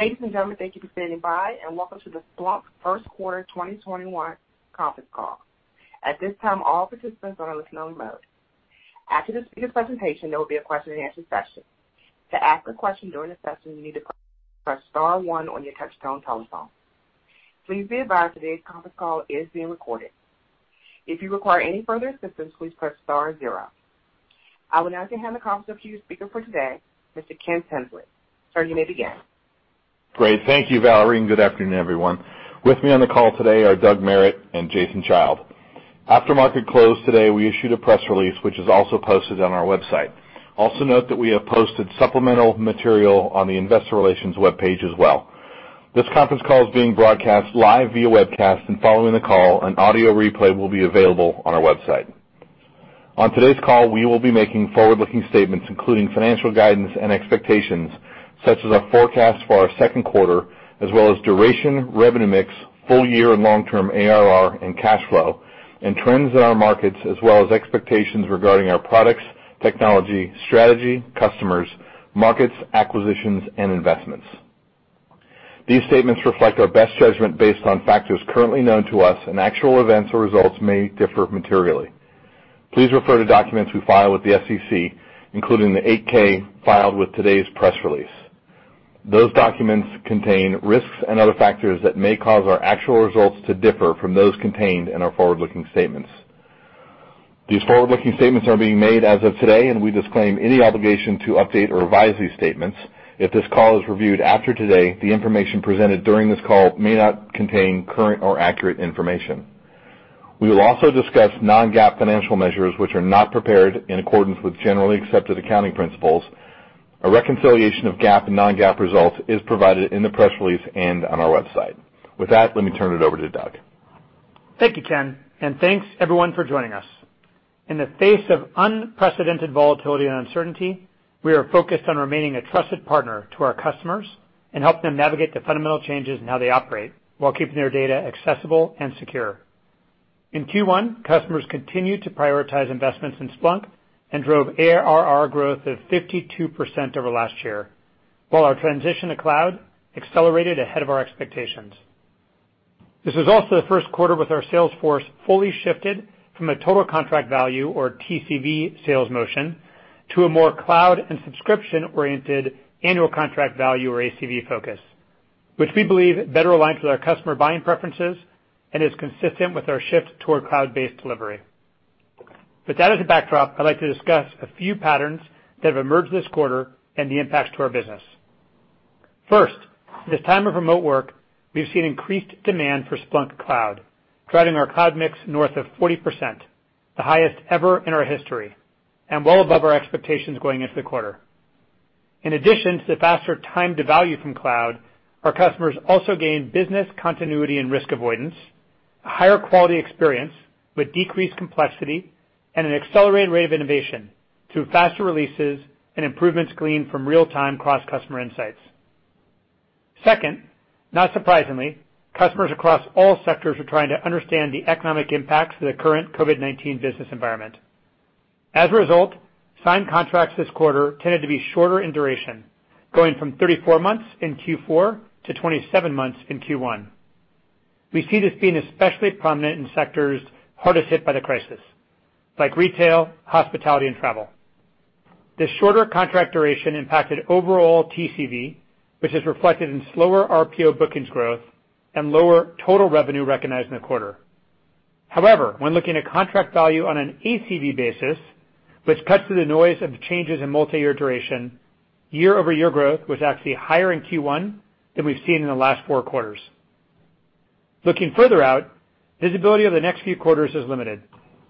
Ladies and gentlemen, thank you for standing by, and welcome to the Splunk first quarter 2021 conference call. At this time, all participants are in listen-only mode. After the speaker presentation, there will be a question and answer session. To ask a question during the session, you need to press star one on your touchtone telephone. Please be advised today's conference call is being recorded. If you require any further assistance, please press star zero. I would now hand the conference over to your speaker for today, Mr. Ken Tinsley. Sir, you may begin. Great. Thank you, Valerie, and good afternoon, everyone. With me on the call today are Doug Merritt and Jason Child. After market closed today, we issued a press release, which is also posted on our website. Also note that we have posted supplemental material on the investor relations webpage as well. This conference call is being broadcast live via webcast, and following the call, an audio replay will be available on our website. On today's call, we will be making forward-looking statements, including financial guidance and expectations, such as our forecast for our second quarter, as well as duration, revenue mix, full year and long-term ARR and cash flow, and trends in our markets, as well as expectations regarding our products, technology, strategy, customers, markets, acquisitions, and investments. These statements reflect our best judgment based on factors currently known to us, and actual events or results may differ materially. Please refer to documents we file with the SEC, including the 8-K filed with today's press release. Those documents contain risks and other factors that may cause our actual results to differ from those contained in our forward-looking statements. These forward-looking statements are being made as of today, and we disclaim any obligation to update or revise these statements. If this call is reviewed after today, the information presented during this call may not contain current or accurate information. We will also discuss non-GAAP financial measures which are not prepared in accordance with generally accepted accounting principles. A reconciliation of GAAP and non-GAAP results is provided in the press release and on our website. With that, let me turn it over to Doug. Thank you, Ken, and thanks everyone for joining us. In the face of unprecedented volatility and uncertainty, we are focused on remaining a trusted partner to our customers and help them navigate the fundamental changes in how they operate while keeping their data accessible and secure. In Q1, customers continued to prioritize investments in Splunk and drove ARR growth of 52% over last year, while our transition to cloud accelerated ahead of our expectations. This was also the first quarter with our sales force fully shifted from a total contract value or TCV sales motion to a more cloud and subscription-oriented annual contract value or ACV focus, which we believe better aligns with our customer buying preferences and is consistent with our shift toward cloud-based delivery. With that as a backdrop, I'd like to discuss a few patterns that have emerged this quarter and the impacts to our business. First, this time of remote work, we've seen increased demand for Splunk Cloud, driving our cloud mix north of 40%, the highest ever in our history, and well above our expectations going into the quarter. In addition to the faster time to value from cloud, our customers also gained business continuity and risk avoidance, a higher quality experience with decreased complexity, and an accelerated rate of innovation through faster releases and improvements gleaned from real-time cross customer insights. Second, not surprisingly, customers across all sectors are trying to understand the economic impacts of the current COVID-19 business environment. As a result, signed contracts this quarter tended to be shorter in duration, going from 34 months in Q4 to 27 months in Q1. We see this being especially prominent in sectors hardest hit by the crisis, like retail, hospitality, and travel. The shorter contract duration impacted overall TCV, which is reflected in slower RPO bookings growth and lower total revenue recognized in the quarter. When looking at contract value on an ACV basis, which cuts through the noise of the changes in multi-year duration, year-over-year growth was actually higher in Q1 than we've seen in the last four quarters. Looking further out, visibility of the next few quarters is limited,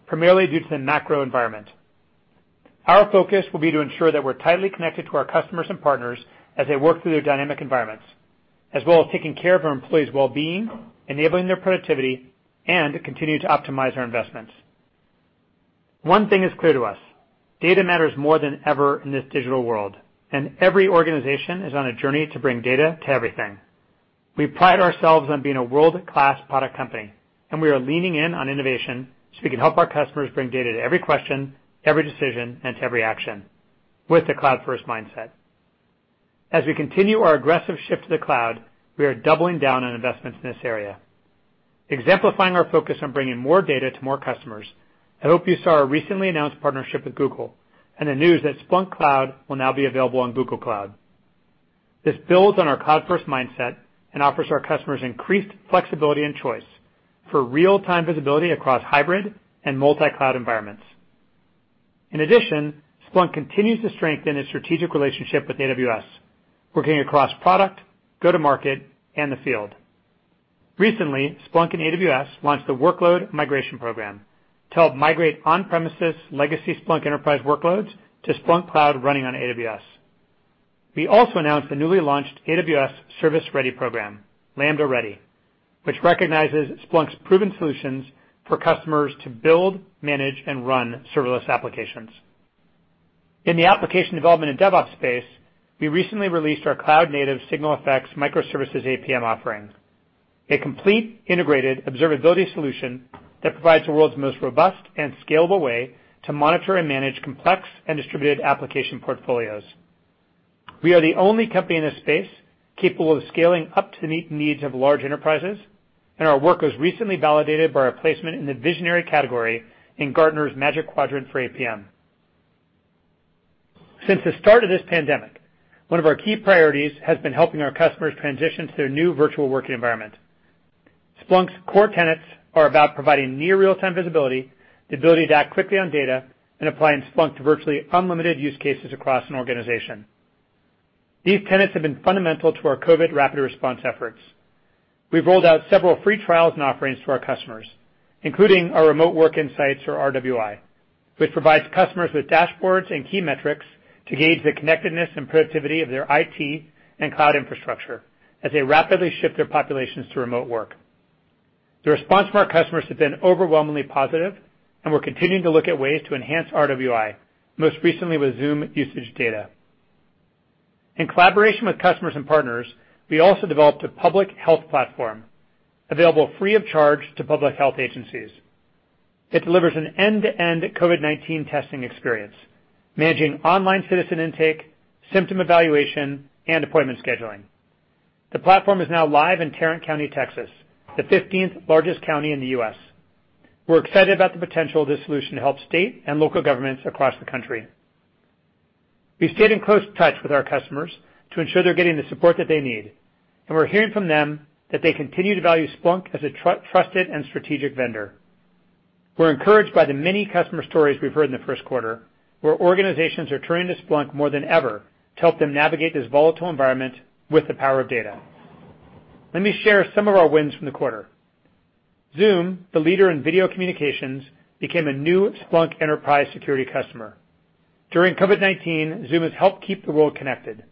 primarily due to the macro environment. Our focus will be to ensure that we're tightly connected to our customers and partners as they work through their dynamic environments, as well as taking care of our employees' well-being, enabling their productivity, and to continue to optimize our investments. One thing is clear to us, data matters more than ever in this digital world, and every organization is on a journey to bring data to everything. We pride ourselves on being a world-class product company, and we are leaning in on innovation so we can help our customers bring data to every question, every decision, and to every action with the cloud first mindset. As we continue our aggressive shift to the cloud, we are doubling down on investments in this area. Exemplifying our focus on bringing more data to more customers, I hope you saw our recently announced partnership with Google and the news that Splunk Cloud will now be available on Google Cloud. This builds on our cloud first mindset and offers our customers increased flexibility and choice for real-time visibility across hybrid and multi-cloud environments. Splunk continues to strengthen its strategic relationship with AWS, working across product, go-to-market, and the field. Splunk and AWS launched the Workload Migration Program to help migrate on-premises legacy Splunk Enterprise workloads to Splunk Cloud running on AWS. We also announced the newly launched AWS Service Ready Program, Lambda Ready, which recognizes Splunk's proven solutions for customers to build, manage, and run serverless applications. In the application development and DevOps space, we recently released our cloud native SignalFx Microservices APM offering. A complete integrated observability solution that provides the world's most robust and scalable way to monitor and manage complex and distributed application portfolios. We are the only company in this space capable of scaling up to meet needs of large enterprises. Our work was recently validated by our placement in the visionary category in Gartner's Magic Quadrant for APM. Since the start of this pandemic, one of our key priorities has been helping our customers transition to their new virtual working environment. Splunk's core tenets are about providing near real-time visibility, the ability to act quickly on data, and applying Splunk to virtually unlimited use cases across an organization. These tenets have been fundamental to our COVID rapid response efforts. We've rolled out several free trials and offerings to our customers, including our Remote Work Insights, or RWI, which provides customers with dashboards and key metrics to gauge the connectedness and productivity of their IT and cloud infrastructure as they rapidly shift their populations to remote work. The response from our customers has been overwhelmingly positive, and we're continuing to look at ways to enhance RWI, most recently with Zoom usage data. In collaboration with customers and partners, we also developed a public health platform available free of charge to public health agencies. It delivers an end-to-end COVID-19 testing experience, managing online citizen intake, symptom evaluation, and appointment scheduling. The platform is now live in Tarrant County, Texas, the 15th largest county in the U.S. We're excited about the potential of this solution to help state and local governments across the country. We stayed in close touch with our customers to ensure they're getting the support that they need, and we're hearing from them that they continue to value Splunk as a trusted and strategic vendor. We're encouraged by the many customer stories we've heard in the first quarter, where organizations are turning to Splunk more than ever to help them navigate this volatile environment with the power of data. Let me share some of our wins from the quarter. Zoom, the leader in video communications, became a new Splunk Enterprise Security customer. During COVID-19, Zoom has helped keep the world connected.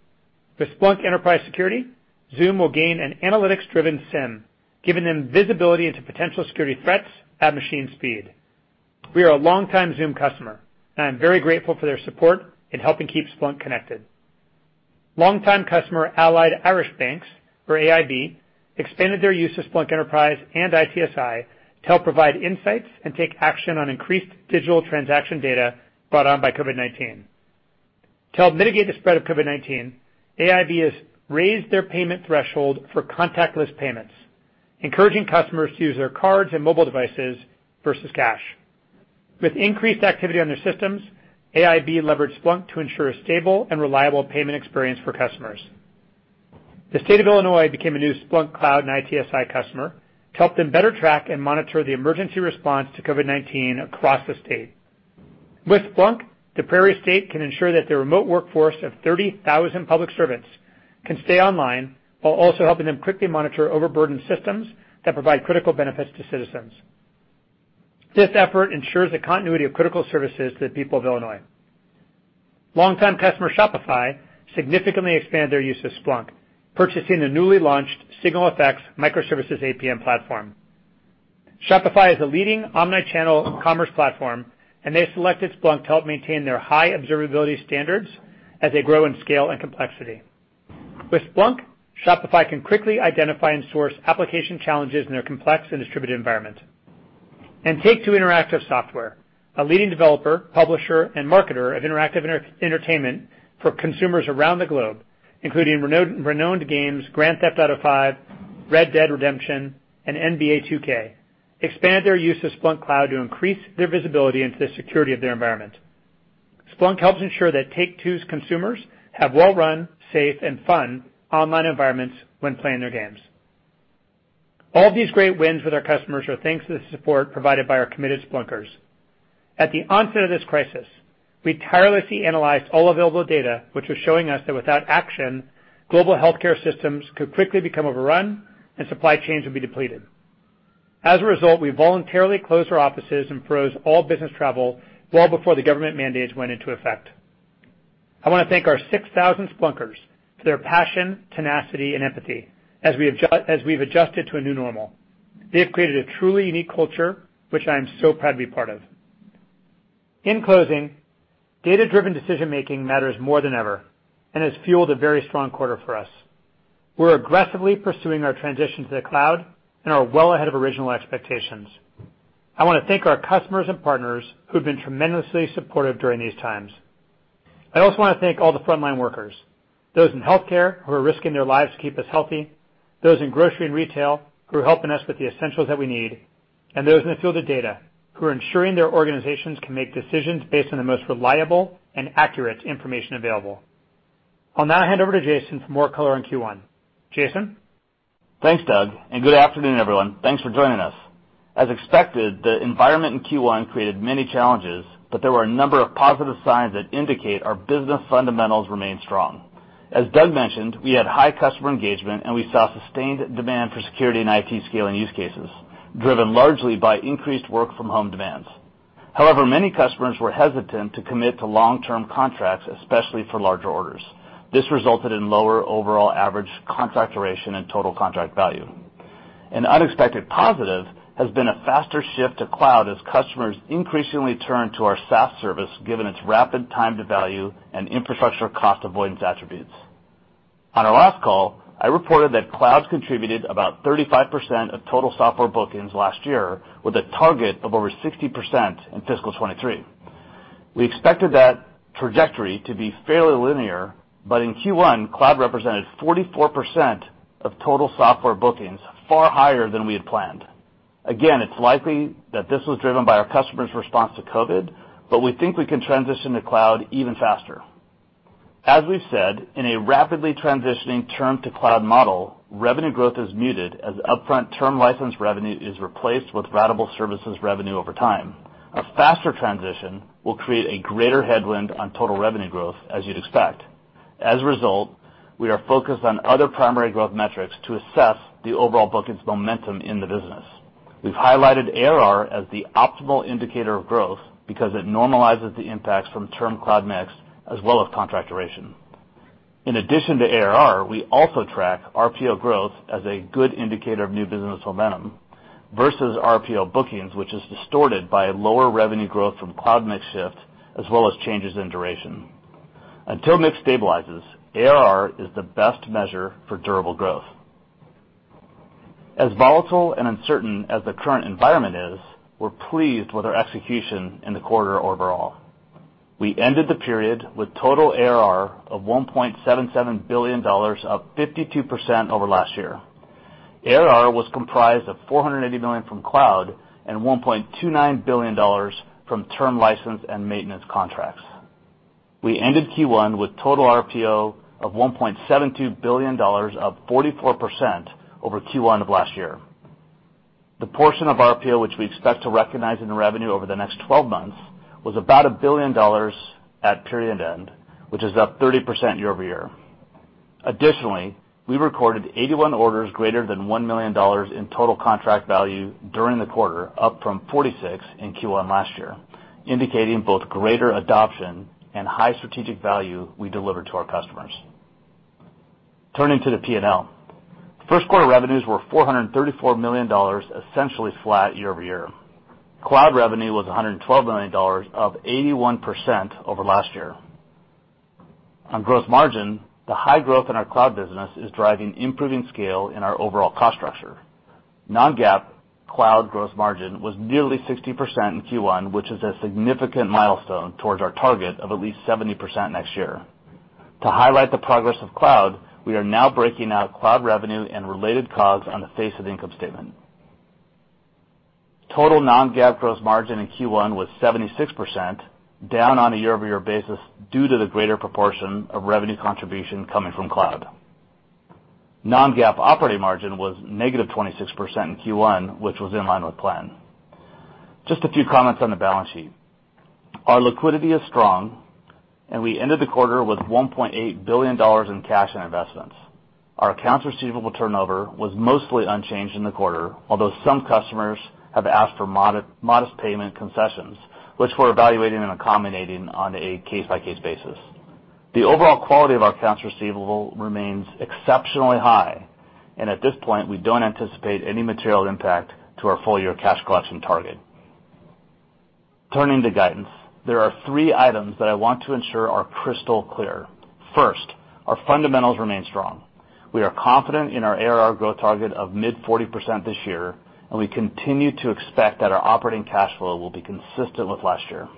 With Splunk Enterprise Security, Zoom will gain an analytics-driven SIEM, giving them visibility into potential security threats at machine speed. We are a longtime Zoom customer, and I'm very grateful for their support in helping keep Splunk connected. Longtime customer Allied Irish Banks, or AIB, expanded their use of Splunk Enterprise and ITSI to help provide insights and take action on increased digital transaction data brought on by COVID-19. To help mitigate the spread of COVID-19, AIB has raised their payment threshold for contactless payments, encouraging customers to use their cards and mobile devices versus cash. With increased activity on their systems, AIB leveraged Splunk to ensure a stable and reliable payment experience for customers. The State of Illinois became a new Splunk Cloud and ITSI customer to help them better track and monitor the emergency response to COVID-19 across the state. With Splunk, the Prairie State can ensure that their remote workforce of 30,000 public servants can stay online while also helping them quickly monitor overburdened systems that provide critical benefits to citizens. This effort ensures the continuity of critical services to the people of Illinois. Longtime customer Shopify significantly expanded their use of Splunk, purchasing the newly launched SignalFx Microservices APM platform. Shopify is a leading omni-channel commerce platform. They selected Splunk to help maintain their high observability standards as they grow in scale and complexity. With Splunk, Shopify can quickly identify and source application challenges in their complex and distributed environment. Take-Two Interactive Software, a leading developer, publisher, and marketer of interactive entertainment for consumers around the globe, including renowned games Grand Theft Auto V, Red Dead Redemption, and NBA 2K, expand their use of Splunk Cloud to increase their visibility into the security of their environment. Splunk helps ensure that Take-Two's consumers have well-run, safe, and fun online environments when playing their games. All these great wins with our customers are thanks to the support provided by our committed Splunkers. At the onset of this crisis, we tirelessly analyzed all available data, which was showing us that without action, global healthcare systems could quickly become overrun and supply chains would be depleted. As a result, we voluntarily closed our offices and froze all business travel well before the government mandates went into effect. I wanna thank our 6,000 Splunkers for their passion, tenacity, and empathy as we've adjusted to a new normal. They have created a truly unique culture, which I am so proud to be part of. In closing, data-driven decision-making matters more than ever and has fueled a very strong quarter for us. We're aggressively pursuing our transition to the cloud and are well ahead of original expectations. I wanna thank our customers and partners who've been tremendously supportive during these times. I also wanna thank all the frontline workers, those in healthcare who are risking their lives to keep us healthy, those in grocery and retail who are helping us with the essentials that we need, and those in the field of data who are ensuring their organizations can make decisions based on the most reliable and accurate information available. I'll now hand over to Jason for more color on Q1. Jason? Thanks, Doug, and good afternoon, everyone. Thanks for joining us. As expected, the environment in Q1 created many challenges, but there were a number of positive signs that indicate our business fundamentals remain strong. As Doug mentioned, we had high customer engagement, and we saw sustained demand for security and IT scale and use cases, driven largely by increased work from home demands. However, many customers were hesitant to commit to long-term contracts, especially for larger orders. This resulted in lower overall average contract duration and total contract value. An unexpected positive has been a faster shift to cloud as customers increasingly turn to our SaaS service given its rapid time to value and infrastructure cost avoidance attributes. On our last call, I reported that clouds contributed about 35% of total software bookings last year, with a target of over 60% in fiscal 2023. We expected that trajectory to be fairly linear. In Q1, cloud represented 44% of total software bookings, far higher than we had planned. Again, it's likely that this was driven by our customers' response to COVID. We think we can transition to cloud even faster. As we've said, in a rapidly transitioning term to cloud model, revenue growth is muted as upfront term license revenue is replaced with ratable services revenue over time. A faster transition will create a greater headwind on total revenue growth, as you'd expect. As a result, we are focused on other primary growth metrics to assess the overall bookings momentum in the business. We've highlighted ARR as the optimal indicator of growth because it normalizes the impacts from term cloud mix as well as contract duration. In addition to ARR, we also track RPO growth as a good indicator of new business momentum versus RPO bookings, which is distorted by lower revenue growth from cloud mix shift, as well as changes in duration. Until mix stabilizes, ARR is the best measure for durable growth. As volatile and uncertain as the current environment is, we're pleased with our execution in the quarter overall. We ended the period with total ARR of $1.77 billion, up 52% over last year. ARR was comprised of $480 million from cloud and $1.29 billion from term license and maintenance contracts. We ended Q1 with total RPO of $1.72 billion, up 44% over Q1 of last year. The portion of RPO which we expect to recognize in revenue over the next 12 months was about $1 billion at period end, which is up 30% year-over-year. Additionally, we recorded 81 orders greater than $1 million in total contract value during the quarter, up from 46 in Q1 last year, indicating both greater adoption and high strategic value we deliver to our customers. Turning to the P&L. First quarter revenues were $434 million, essentially flat year-over-year. Cloud revenue was $112 million, up 81% over last year. On gross margin, the high growth in our cloud business is driving improving scale in our overall cost structure. Non-GAAP cloud gross margin was nearly 60% in Q1, which is a significant milestone towards our target of at least 70% next year. To highlight the progress of cloud, we are now breaking out cloud revenue and related costs on the face of the income statement. Total non-GAAP gross margin in Q1 was 76%, down on a year-over-year basis due to the greater proportion of revenue contribution coming from cloud. Non-GAAP operating margin was negative 26% in Q1, which was in line with plan. Just a few comments on the balance sheet. Our liquidity is strong, and we ended the quarter with $1.8 billion in cash and investments. Our accounts receivable turnover was mostly unchanged in the quarter, although some customers have asked for modest payment concessions, which we're evaluating and accommodating on a case-by-case basis. The overall quality of our accounts receivable remains exceptionally high, and at this point, we don't anticipate any material impact to our full-year cash collection target. Turning to guidance. There are hree items that I want to ensure are crystal clear. First, our fundamentals remain strong. We are confident in our ARR growth target of mid 40% this year, and we continue to expect that our operating cash flow will be consistent with last year.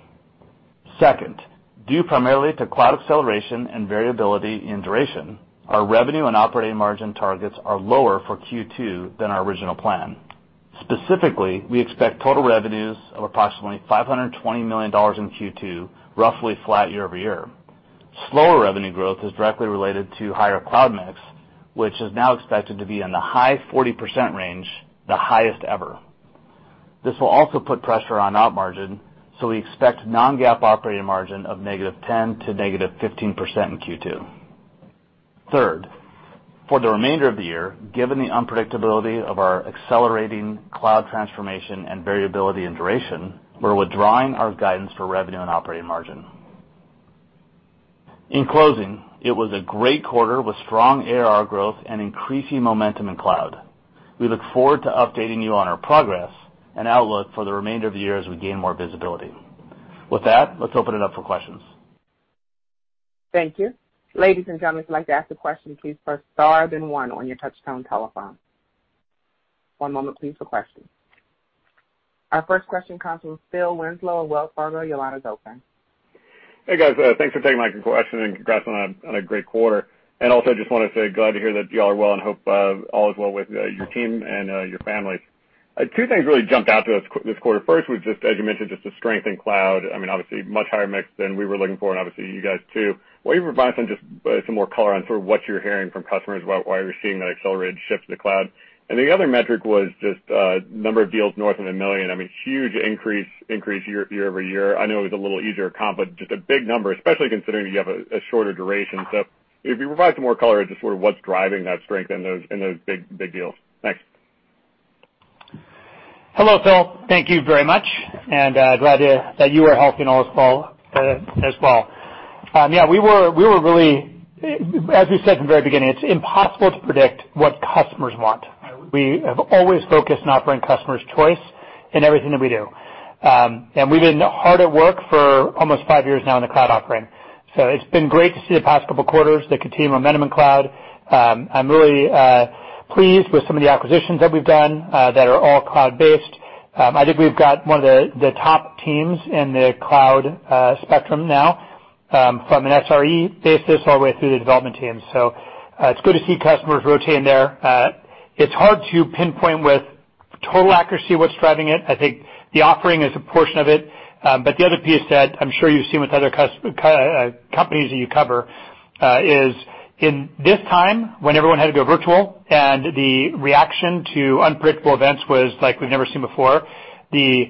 Second, due primarily to cloud acceleration and variability in duration, our revenue and operating margin targets are lower for Q2 than our original plan. Specifically, we expect total revenues of approximately $520 million in Q2, roughly flat year-over-year. Slower revenue growth is directly related to higher cloud mix, which is now expected to be in the high 40% range, the highest ever. This will also put pressure on op margin, so we expect non-GAAP operating margin of negative 10% to negative 15% in Q2. Third, for the remainder of the year, given the unpredictability of our accelerating cloud transformation and variability and duration, we're withdrawing our guidance for revenue and operating margin. In closing, it was a great quarter with strong ARR growth and increasing momentum in cloud. We look forward to updating you on our progress and outlook for the remainder of the year as we gain more visibility. With that, let's open it up for questions. Thank you. Ladies and gentlemen. If you would like to ask the question please press star then one on your touchtone telephone. One moment please for questions. Our first question comes from Phil Winslow of Wells Fargo. Your line is open. Hey, guys. Thanks for taking my question, and congrats on a great quarter. Also just wanna say glad to hear that y'all are well, and hope all is well with your team and your families. Two things really jumped out to us this quarter. First was just, as you mentioned, just the strength in cloud. I mean, obviously much higher mix than we were looking for, and obviously you guys too. Will you provide some, just, some more color on sort of what you're hearing from customers about why you're seeing that accelerated shift to the cloud? The other metric was just, number of deals north of $1 million. I mean, huge increase year-over-year. I know it was a little easier to comp, but just a big number, especially considering you have a shorter duration. If you could provide some more color into sort of what's driving that strength in those big deals. Thanks. Hello, Phil. Thank you very much. Glad to hear that you are healthy and all is well, as well. We were really as we said from the very beginning, it's impossible to predict what customers want. We have always focused on offering customers choice in everything that we do. We've been hard at work for almost five years now in the cloud offering. It's been great to see the past couple quarters, the continued momentum in cloud. I'm really pleased with some of the acquisitions that we've done that are all cloud-based. I think we've got one of the top teams in the cloud spectrum now from an SRE basis all the way through the development team. It's good to see customers rotating there. It's hard to pinpoint with total accuracy what's driving it. I think the offering is a portion of it. The other piece that I'm sure you've seen with other companies that you cover, is in this time when everyone had to go virtual and the reaction to unpredictable events was like we've never seen before, the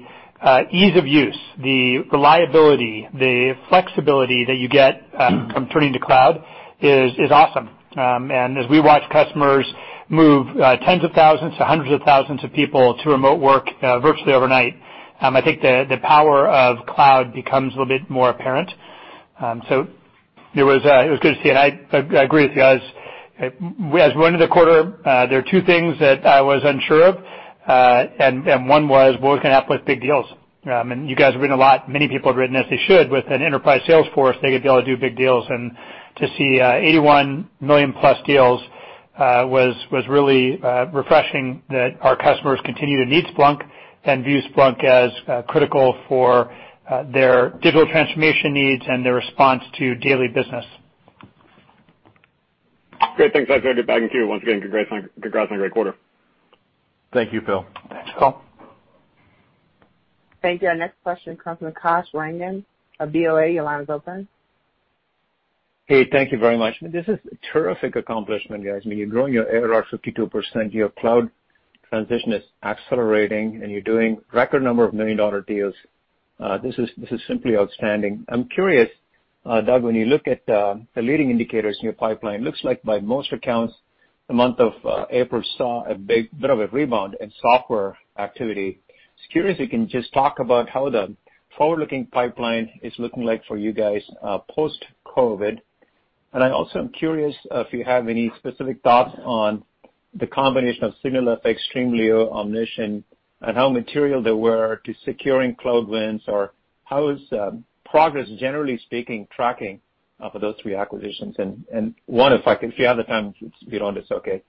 ease of use, the reliability, the flexibility that you get from turning to cloud is awesome. As we watch customers move tens of thousands to hundreds of thousands of people to remote work virtually overnight, I think the power of cloud becomes a little bit more apparent. It was, it was good to see it. I agree with you guys. As we ended the quarter, there are two things that I was unsure of, and one was, what was gonna happen with big deals? You guys have written a lot, many people have written, as they should, with an enterprise sales force, they could be able to do big deals. To see $81 million-plus deals was really refreshing that our customers continue to need Splunk and view Splunk as critical for their digital transformation needs and their response to daily business. Great. Thanks, Doug. Back to you. Once again, congrats on a great quarter. Thank you, Phil. Thanks, Phil. Thank you. Our next question comes from Kash Rangan of BofA. Your line is open. Hey, thank you very much. This is a terrific accomplishment, guys. I mean, you're growing your ARR 52%, your cloud transition is accelerating, and you're doing record number of million-dollar deals. This is simply outstanding. I'm curious, Doug, when you look at the leading indicators in your pipeline, looks like by most accounts, the month of April saw a big bit of a rebound in software activity. Just curious if you can just talk about how the forward-looking pipeline is looking like for you guys, post-COVID-19. I also am curious if you have any specific thoughts on the combination of SignalFx, Streamlio, Omnition, and how material they were to securing cloud wins, or how is progress generally speaking, tracking for those three acquisitions? One, if I can, if you have the time, if you don't, it's okay.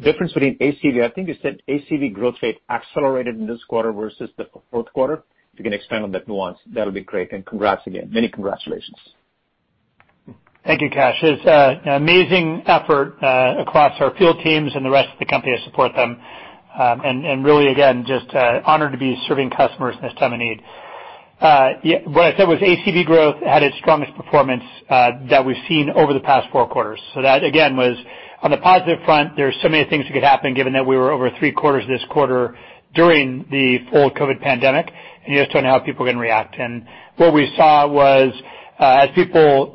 Difference between ACV, I think you said ACV growth rate accelerated in this quarter versus the fourth quarter. If you can expand on that nuance, that'll be great. Congrats again. Many congratulations. Thank you, Kash. It's an amazing effort across our field teams and the rest of the company to support them. Really, again, just honored to be serving customers in this time of need. What I said was ACV growth had its strongest performance that we've seen over the past four quarters. That again, was on the positive front, there are so many things that could happen given that we were over three quarters this quarter during the full COVID pandemic, and you just don't know how people are gonna react. What we saw was as people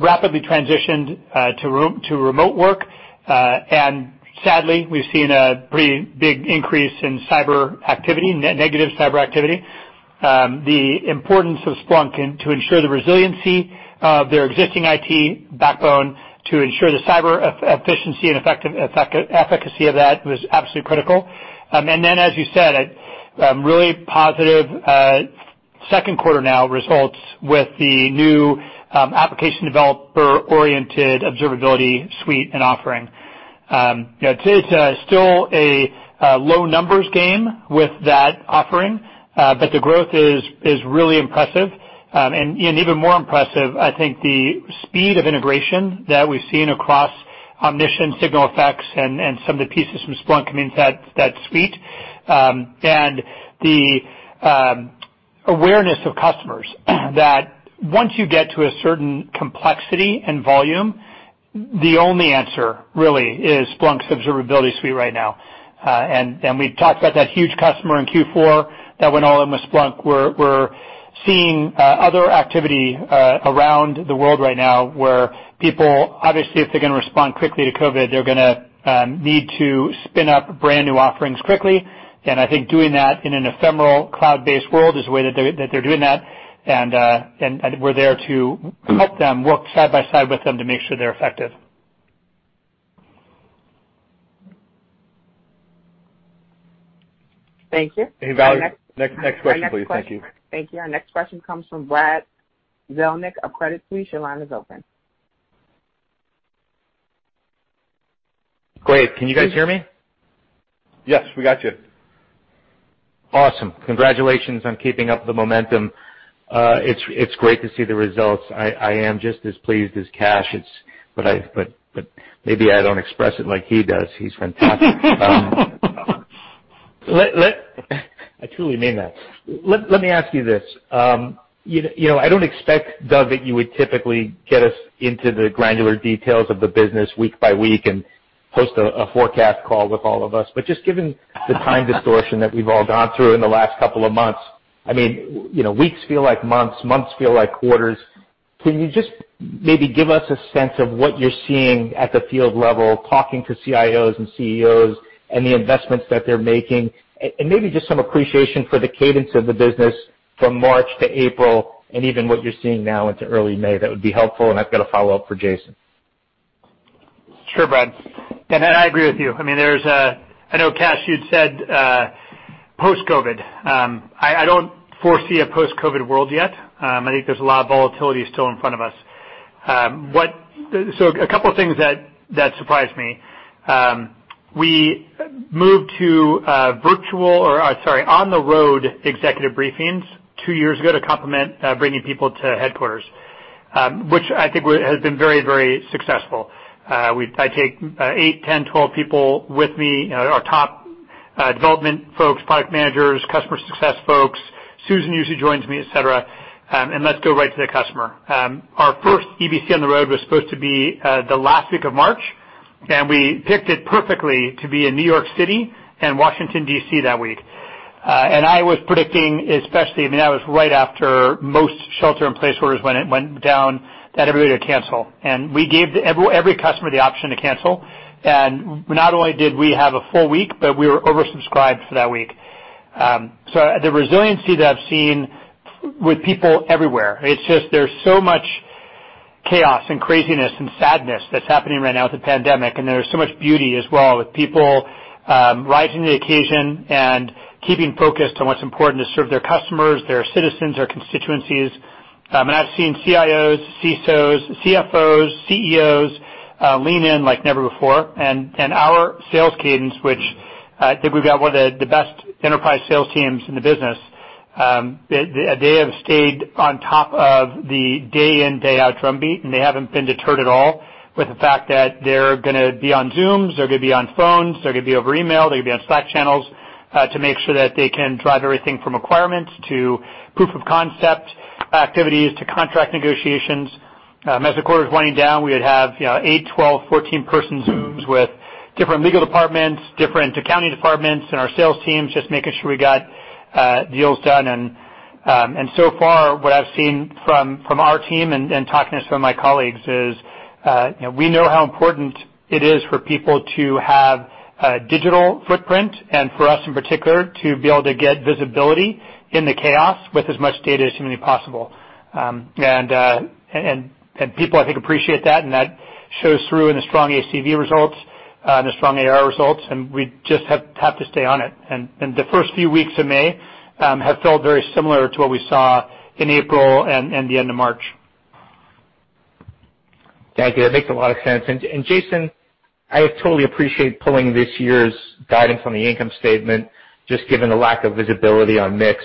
rapidly transitioned to remote work, and sadly, we've seen a pretty big increase in cyber activity, negative cyber activity. The importance of Splunk in, to ensure the resiliency of their existing IT backbone to ensure the cyber efficiency and efficacy of that was absolutely critical. And then as you said, a really positive second quarter now results with the new application developer-oriented observability suite and offering. You know, today's still a low numbers game with that offering, but the growth is really impressive. And even more impressive, I think the speed of integration that we've seen across Omnition, SignalFx and some of the pieces from Splunk coming into that suite. And the awareness of customers that once you get to a certain complexity and volume, the only answer really is Splunk's observability suite right now. We've talked about that huge customer in Q4 that went all in with Splunk. We're seeing other activity around the world right now where people, obviously, if they're gonna respond quickly to COVID, they're gonna need to spin up brand-new offerings quickly. I think doing that in an ephemeral cloud-based world is the way that they're doing that. We're there to help them work side by side with them to make sure they're effective. Thank you. Hey, Valerie, next question, please. Thank you. Thank you. Our next question comes from Brad Zelnick of Credit Suisse. Your line is open. Great. Can you guys hear me? Yes, we got you. Awesome. Congratulations on keeping up the momentum. It's great to see the results. I am just as pleased as Kash is, but maybe I don't express it like he does. He's fantastic. Let I truly mean that. Let me ask you this. You know I don't expect, Doug, that you would typically get us into the granular details of the business week-by-week and post a forecast call with all of us. Just given the time distortion that we've all gone through in the last couple of months, I mean, you know, weeks feel like months feel like quarters. Can you just maybe give us a sense of what you're seeing at the field level, talking to CIOs and CEOs, and the investments that they're making? Maybe just some appreciation for the cadence of the business from March to April and even what you're seeing now into early May. That would be helpful, and I've got a follow-up for Jason. Sure, Brad. I agree with you. There's I know, Kash, you'd said, post-COVID. I don't foresee a post-COVID world yet. I think there's a lot of volatility still in front of us. A couple of things that surprised me. We moved to virtual or, sorry, on the road executive briefings two years ago to complement bringing people to headquarters, which I think has been very, very successful. I take eight, 10, 12 people with me, you know, our top development folks, product managers, Customer Success folks. Susan usually joins me, et cetera, let's go right to the customer. Our first EBC on the road was supposed to be the last week of March, and we picked it perfectly to be in New York City and Washington D.C. that week. I was predicting, especially, I mean, that was right after most shelter and place orders went down that everybody would cancel. We gave every customer the option to cancel. Not only did we have a full week, but we were oversubscribed for that week. The resiliency that I've seen with people everywhere, it's just there's so much chaos and craziness and sadness that's happening right now with the pandemic, and there's so much beauty as well with people rising to the occasion and keeping focused on what's important to serve their customers, their citizens, their constituencies. I've seen CIOs, CISOs, CFOs, CEOs lean in like never before. Our sales cadence, which I think we've got one of the best enterprise sales teams in the business. They have stayed on top of the day in and day out drumbeat, and they haven't been deterred at all with the fact that they're gonna be on Zooms, they're gonna be on phones, they're gonna be over email, they're gonna be on Slack channels to make sure that they can drive everything from requirements to proof of concept activities to contract negotiations. As the quarter is winding down, we would have, you know, eight, 12, 14 person Zooms with different legal departments, different accounting departments, and our sales teams just making sure we got deals done. So far, what I've seen from our team and, talking to some of my colleagues is, you know, we know how important it is for people to have a digital footprint and for us, in particular, to be able to get visibility in the chaos with as much data as humanly possible. People, I think, appreciate that, and that shows through in the strong ACV results, and the strong ARR results, and we just have to stay on it. The first few weeks of May have felt very similar to what we saw in April and the end of March. Thank you. That makes a lot of sense. Jason, I totally appreciate pulling this year's guidance on the income statement, just given the lack of visibility on mix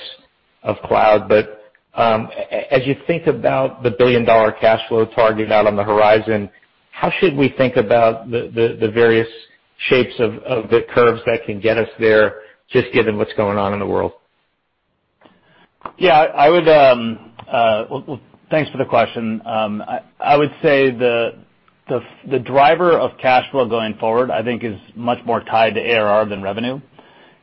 of cloud. As you think about the billion-dollar cash flow target out on the horizon, how should we think about the various shapes of the curves that can get us there, just given what's going on in the world? Yeah, I would Well, thanks for the question. I would say the driver of cash flow going forward, I think, is much more tied to ARR than revenue.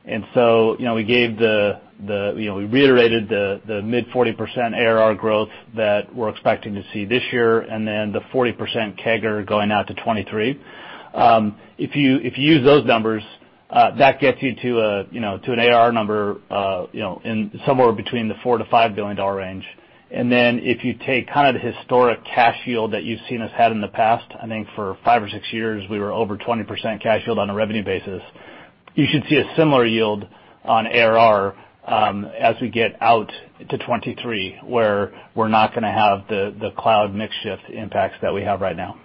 You know, we gave the, you know, we reiterated the mid 40% ARR growth that we're expecting to see this year and then the 40% CAGR going out to 2023. If you use those numbers, that gets you to a, you know, to an ARR number, you know, in somewhere between the $4 billion-$5 billion range. If you take kind of the historic cash yield that you've seen us had in the past, I think for five or six years, we were over 20% cash yield on a revenue basis. You should see a similar yield on ARR, as we get out to 2023, where we're not going to have the cloud mix shift impacts that we have right now.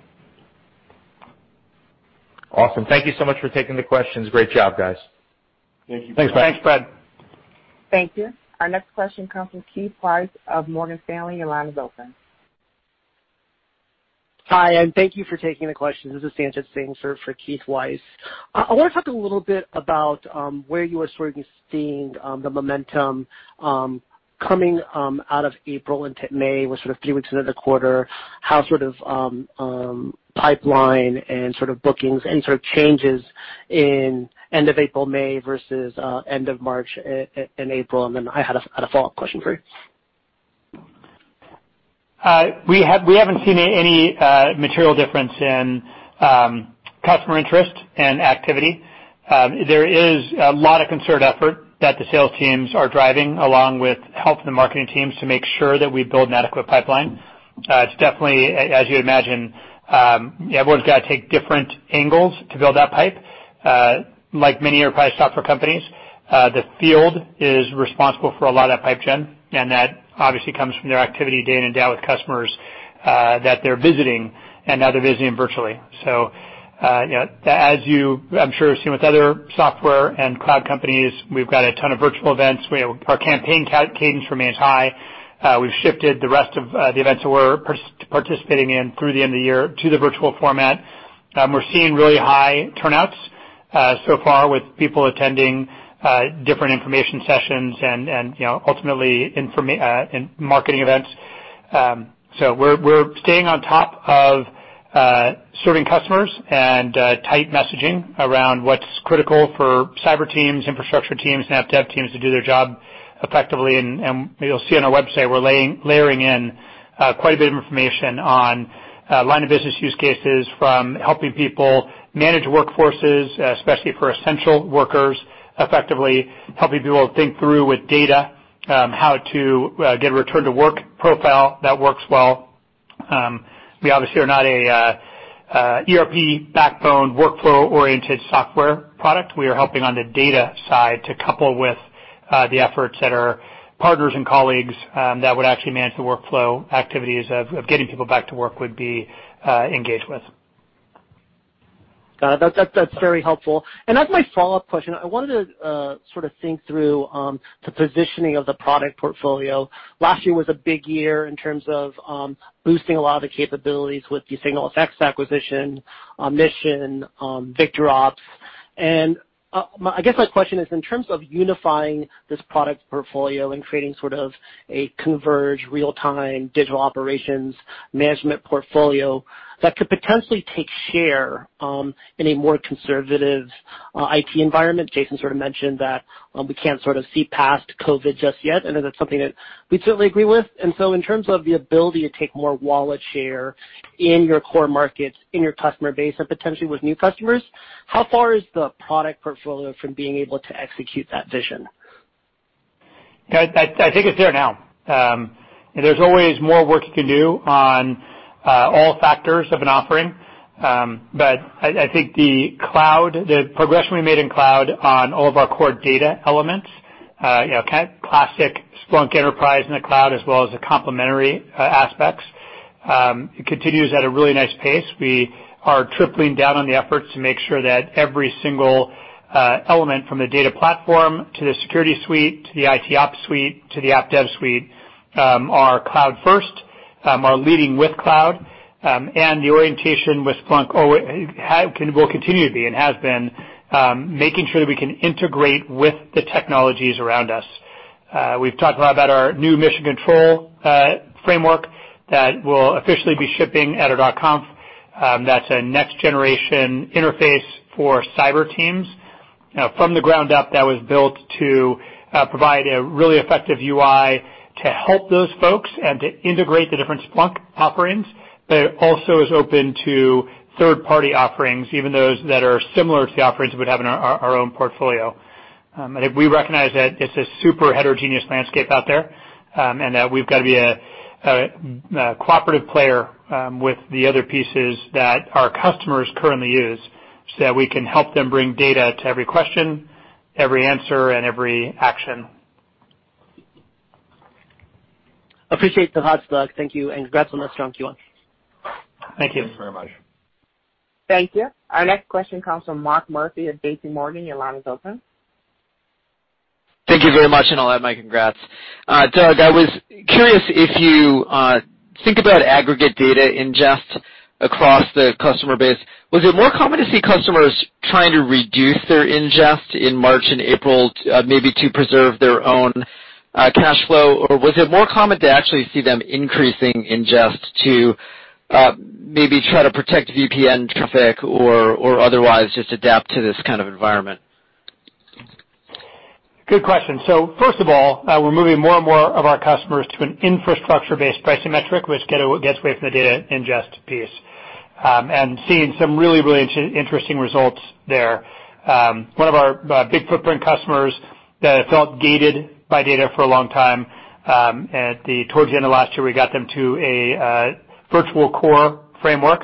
Awesome. Thank you so much for taking the questions. Great job, guys. Thank you. Thanks, Brad. Thanks, Brad. Thank you. Our next question comes from Keith Weiss of Morgan Stanley. Your line is open. Hi, and thank you for taking the question. This is Sanjit Singh for Keith Weiss. I wanna talk a little bit about where you are sort of seeing the momentum coming out of April into May. We're sort of few weeks into the quarter. How sort of pipeline and sort of bookings and sort of changes in end of April, May versus end of March and April? Then I had a follow-up question for you. We haven't seen any material difference in customer interest and activity. There is a lot of concerted effort that the sales teams are driving along with help from the marketing teams to make sure that we build an adequate pipeline. It's definitely, as you would imagine, everyone's got to take different angles to build that pipe. Like many enterprise software companies, the field is responsible for a lot of pipe gen, and that obviously comes from their activity day in and day out with customers that they're visiting and now they're visiting virtually. You know, as you, I'm sure, have seen with other software and cloud companies, we've got a ton of virtual events. We have our campaign cadence remains high. We've shifted the rest of the events that we're participating in through the end of the year to the virtual format. We're seeing really high turnouts so far with people attending different information sessions and, you know, ultimately marketing events. We're staying on top of serving customers and tight messaging around what's critical for cyber teams, infrastructure teams, and app dev teams to do their job effectively. You'll see on our website, we're layering in quite a bit of information on line of business use cases from helping people manage workforces, especially for essential workers, effectively helping people think through with data, how to get a return to work profile that works well. We obviously are not a ERP backbone workflow-oriented software product. We are helping on the data side to couple with the efforts that our partners and colleagues that would actually manage the workflow activities of getting people back to work would be engaged with. Got it. That's very helpful. As my follow-up question, I wanted to sort of think through the positioning of the product portfolio. Last year was a big year in terms of boosting a lot of the capabilities with the SignalFx acquisition, Omnition, VictorOps. I guess my question is, in terms of unifying this product portfolio and creating sort of a converged real-time digital operations management portfolio that could potentially take share in a more conservative IT environment. Jason sort of mentioned that we can't sort of see past COVID just yet, I know that's something that we'd certainly agree with. In terms of the ability to take more wallet share in your core markets, in your customer base, and potentially with new customers, how far is the product portfolio from being able to execute that vision? I think it's there now. There's always more work you can do on all factors of an offering. I think the cloud, the progression we made in cloud on all of our core data elements, you know, classic Splunk Enterprise in the cloud as well as the complementary aspects, continues at a really nice pace. We are tripling down on the efforts to make sure that every single element from the data platform to the security suite to the IT ops suite to the app dev suite, are cloud first, are leading with cloud. The orientation with Splunk will continue to be and has been, making sure that we can integrate with the technologies around us. We've talked a lot about our new Mission Control framework that will officially be shipping at .conf. That's a next generation interface for cyber teams from the ground up that was built to provide a really effective UI to help those folks and to integrate the different Splunk offerings, but it also is open to third-party offerings, even those that are similar to the offerings we would have in our own portfolio. And we recognize that it's a super heterogeneous landscape out there, and that we've got to be a cooperative player with the other pieces that our customers currently use so that we can help them bring data to every question, every answer, and every action. Appreciate the thoughts, Doug. Thank you, and congrats on a strong Q1. Thank you. Thank you very much. Thank you. Our next question comes from Mark Murphy at JPMorgan. Your line is open. Thank you very much, and I'll add my congrats. Doug, I was curious if you think about aggregate data ingest across the customer base. Was it more common to see customers trying to reduce their ingest in March and April, maybe to preserve their own cash flow? Or was it more common to actually see them increasing ingest to maybe try to protect VPN traffic or otherwise just adapt to this kind of environment? Good question. First of all, we're moving more and more of our customers to an infrastructure-based pricing metric, which gets away from the data ingest piece, and seeing some really interesting results there. One of our big footprint customers that had felt gated by data for a long time, at the towards the end of last year, we got them to a virtual core framework.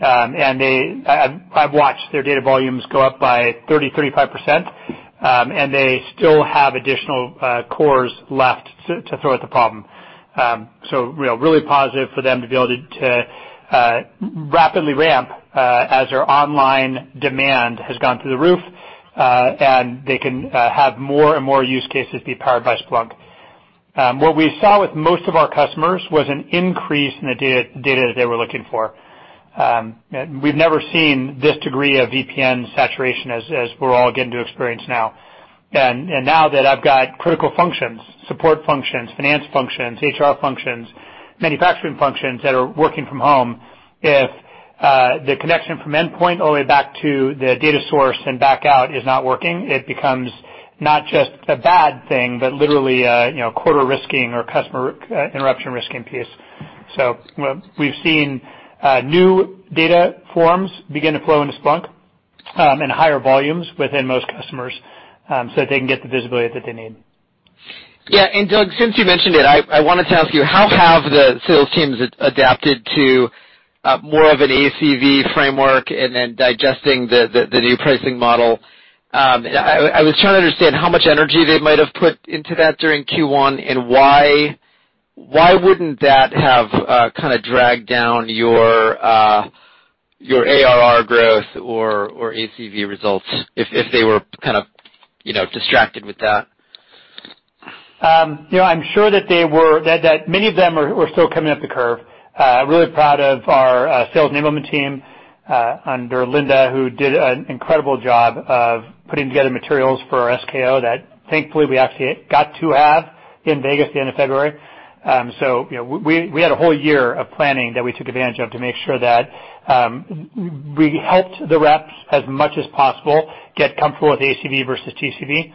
I've watched their data volumes go up by 35%, and they still have additional cores left to throw at the problem. You know, really positive for them to be able to rapidly ramp as their online demand has gone through the roof, and they can have more and more use cases be powered by Splunk. What we saw with most of our customers was an increase in the data that they were looking for. We've never seen this degree of VPN saturation as we're all getting to experience now. Now that I've got critical functions, support functions, finance functions, HR functions, manufacturing functions that are working from home, if the connection from endpoint all the way back to the data source and back out is not working, it becomes not just a bad thing, but literally a, you know, quarter risking or customer interruption risking piece. We've seen new data forms begin to flow into Splunk in higher volumes within most customers so that they can get the visibility that they need. Yeah. Doug, since you mentioned it, I wanted to ask you, how have the sales teams adapted to more of an ACV framework and then digesting the new pricing model? I was trying to understand how much energy they might have put into that during Q1 and why wouldn't that have kinda dragged down your ARR growth or ACV results if they were kind of, you know, distracted with that? You know, I'm sure that many of them are, were still coming up the curve. really proud of our sales enablement team under Linda, who did an incredible job of putting together materials for our SKO that thankfully we actually got to have in Vegas at the end of February. you know, we had a whole year of planning that we took advantage of to make sure that we helped the reps as much as possible get comfortable with ACV versus TCV.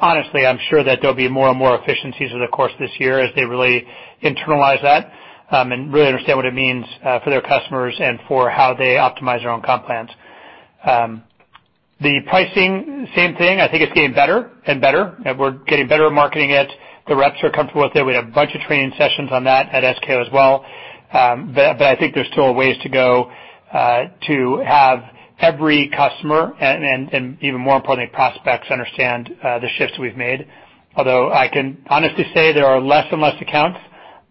honestly, I'm sure that there'll be more and more efficiencies over the course of this year as they really internalize that and really understand what it means for their customers and for how they optimize their own comp plans. The pricing, same thing. I think it's getting better and better, and we're getting better at marketing it. The reps are comfortable with it. We had a bunch of training sessions on that at SKO as well. I think there's still a ways to go to have every customer and even more importantly, prospects understand the shifts we've made. I can honestly say there are less and less accounts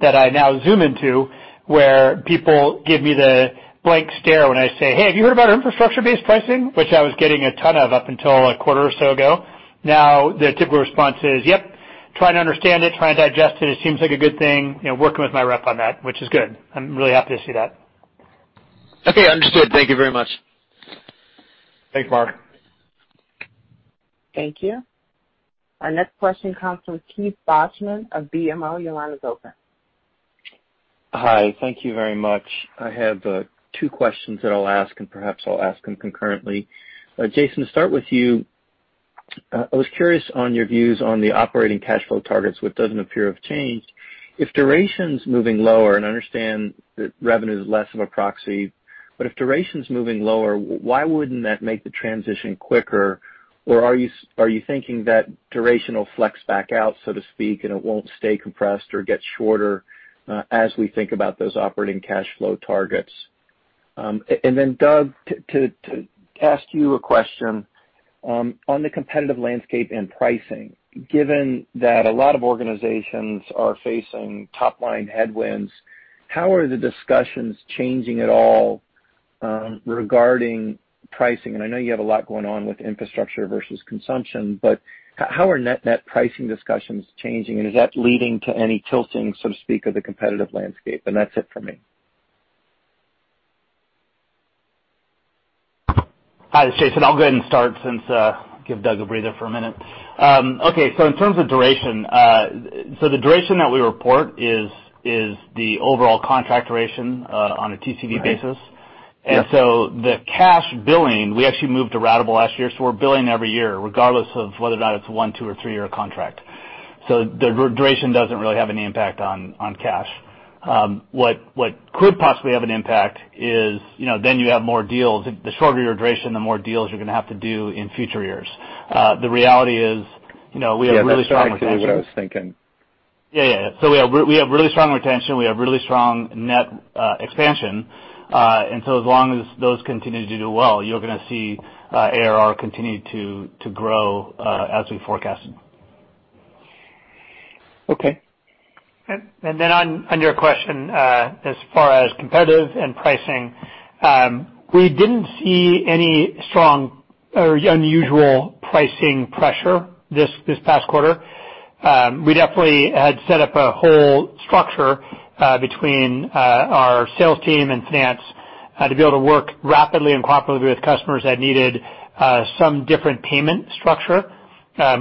that I now Zoom into where people give me the blank stare when I say, "Hey, have you heard about infrastructure-based pricing?" I was getting a ton of up until a quarter or so ago. The typical response is, "Yep, trying to understand it, trying to digest it. It seems like a good thing. You know, working with my rep on that," which is good. I'm really happy to see that. Okay, understood. Thank you very much. Thanks, Mark. Thank you. Our next question comes from Keith Bachman of BMO. Your line is open. Hi. Thank you very much. I have two questions that I'll ask, and perhaps I'll ask them concurrently. Jason, to start with you, I was curious on your views on the operating cash flow targets, which doesn't appear to have changed. If duration's moving lower, and I understand that revenue is less of a proxy, but if duration's moving lower, why wouldn't that make the transition quicker? Are you thinking that duration will flex back out, so to speak, and it won't stay compressed or get shorter, as we think about those operating cash flow targets? Doug, to ask you a question on the competitive landscape and pricing. Given that a lot of organizations are facing top-line headwinds, how are the discussions changing at all regarding pricing? I know you have a lot going on with infrastructure versus consumption, but how are net-net pricing discussions changing, and is that leading to any tilting, so to speak, of the competitive landscape? That's it for me. Hi, this is Jason. I'll go ahead and start since give Doug a breather for a minute. Okay, in terms of duration, the duration that we report is the overall contract duration on a TCD basis. The cash billing, we actually moved to ratable last year, so we're billing every year regardless of whether or not it's a one, two or three-year contract. The duration doesn't really have any impact on cash. What could possibly have an impact is, you know, then you have more deals. The shorter your duration, the more deals you're gonna have to do in future years. The reality is, you know, we have really strong retention. Yeah, that started to be what I was thinking. Yeah. We have really strong retention. We have really strong net expansion. As long as those continue to do well, you're gonna see ARR continue to grow as we forecast. Okay. Then on your question, as far as competitive and pricing, we didn't see any strong or unusual pricing pressure this past quarter. We definitely had set up a whole structure between our sales team and finance to be able to work rapidly and cooperatively with customers that needed some different payment structure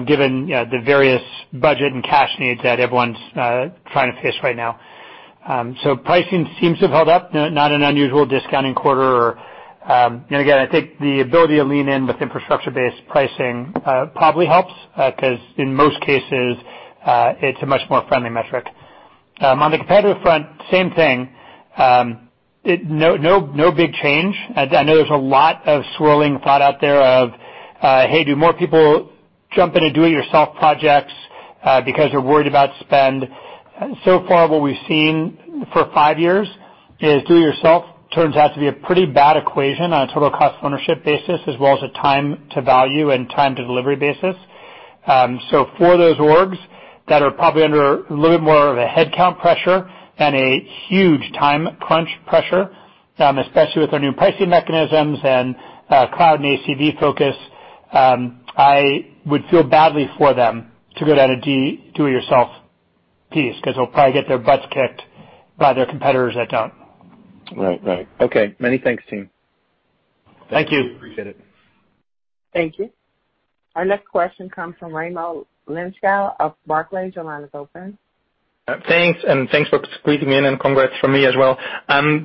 given the various budget and cash needs that everyone's trying to face right now. Pricing seems to have held up. Not an unusual discounting quarter or, you know, again, I think the ability to lean in with infrastructure-based pricing probably helps 'cause in most cases, it's a much more friendly metric. On the competitive front, same thing. No big change. I know there's a lot of swirling thought out there of, hey, do more people jump into do-it-yourself projects because they're worried about spend? So far what we've seen for five years is do-it-yourself turns out to be a pretty bad equation on a total cost of ownership basis as well as a time to value and time to delivery basis. For those orgs that are probably under a little bit more of a headcount pressure and a huge time crunch pressure, especially with our new pricing mechanisms and cloud and ACV focus, I would feel badly for them to go down a do-it-yourself piece 'cause they'll probably get their butts kicked by their competitors that don't. Right. Right. Okay. Many thanks, team. Thank you. Thank you. Our next question comes from Raimo Lenschow of Barclays. Your line is open. Thanks, thanks for squeezing me in, congrats from me as well.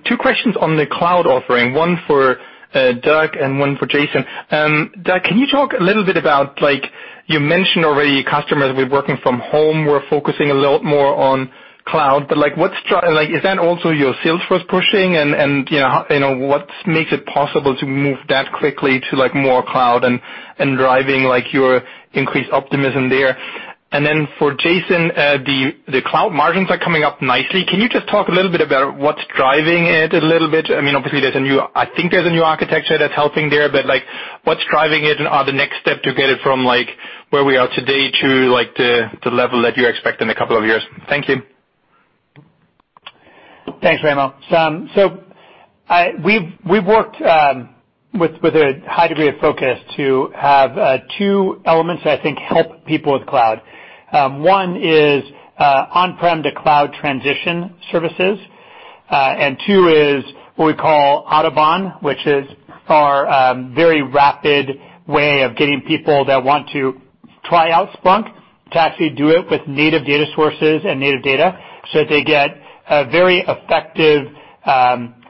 Two questions on the cloud offering, one for Doug and one for Jason. Doug, can you talk a little bit about like you mentioned already your customers were working from home, were focusing a little more on cloud. Like what's like is that also your sales force pushing and you know, what makes it possible to move that quickly to like more cloud and driving like your increased optimism there? Then for Jason, the cloud margins are coming up nicely. Can you just talk a little bit about what's driving it a little bit? I mean, obviously there's a new, I think there's a new architecture that's helping there, but like what's driving it and are the next step to get it from like where we are today to like the level that you expect in 2 years? Thank you. Thanks, Raimo. We've worked with a high degree of focus to have two elements that I think help people with cloud. One is on-prem to cloud transition services. Two is what we call Autobahn, which is our very rapid way of getting people that want to try out Splunk to actually do it with native data sources and native data so that they get a very effective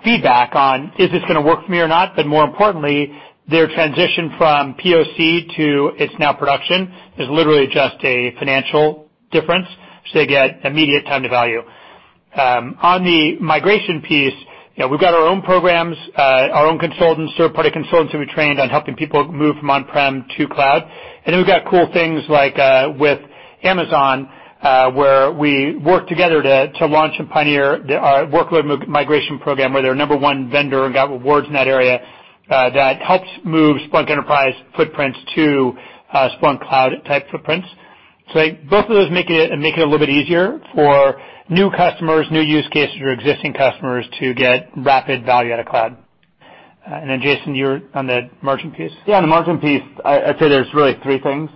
feedback on, is this gonna work for me or not? More importantly, their transition from POC to it's now production is literally just a financial difference. They get immediate time to value. On the migration piece, you know, we've got our own programs, our own consultants, third-party consultants that we trained on helping people move from on-prem to cloud. We've got cool things like, with Amazon, where we work together to launch and pioneer our Workload Migration Program, where they're number one vendor and got awards in that area, that helps move Splunk Enterprise footprints to Splunk Cloud-type footprints. Both of those make it a little bit easier for new customers, new use cases for existing customers to get rapid value out of cloud. Jason, you're on the margin piece. Yeah, on the margin piece, I'd say there's really three things.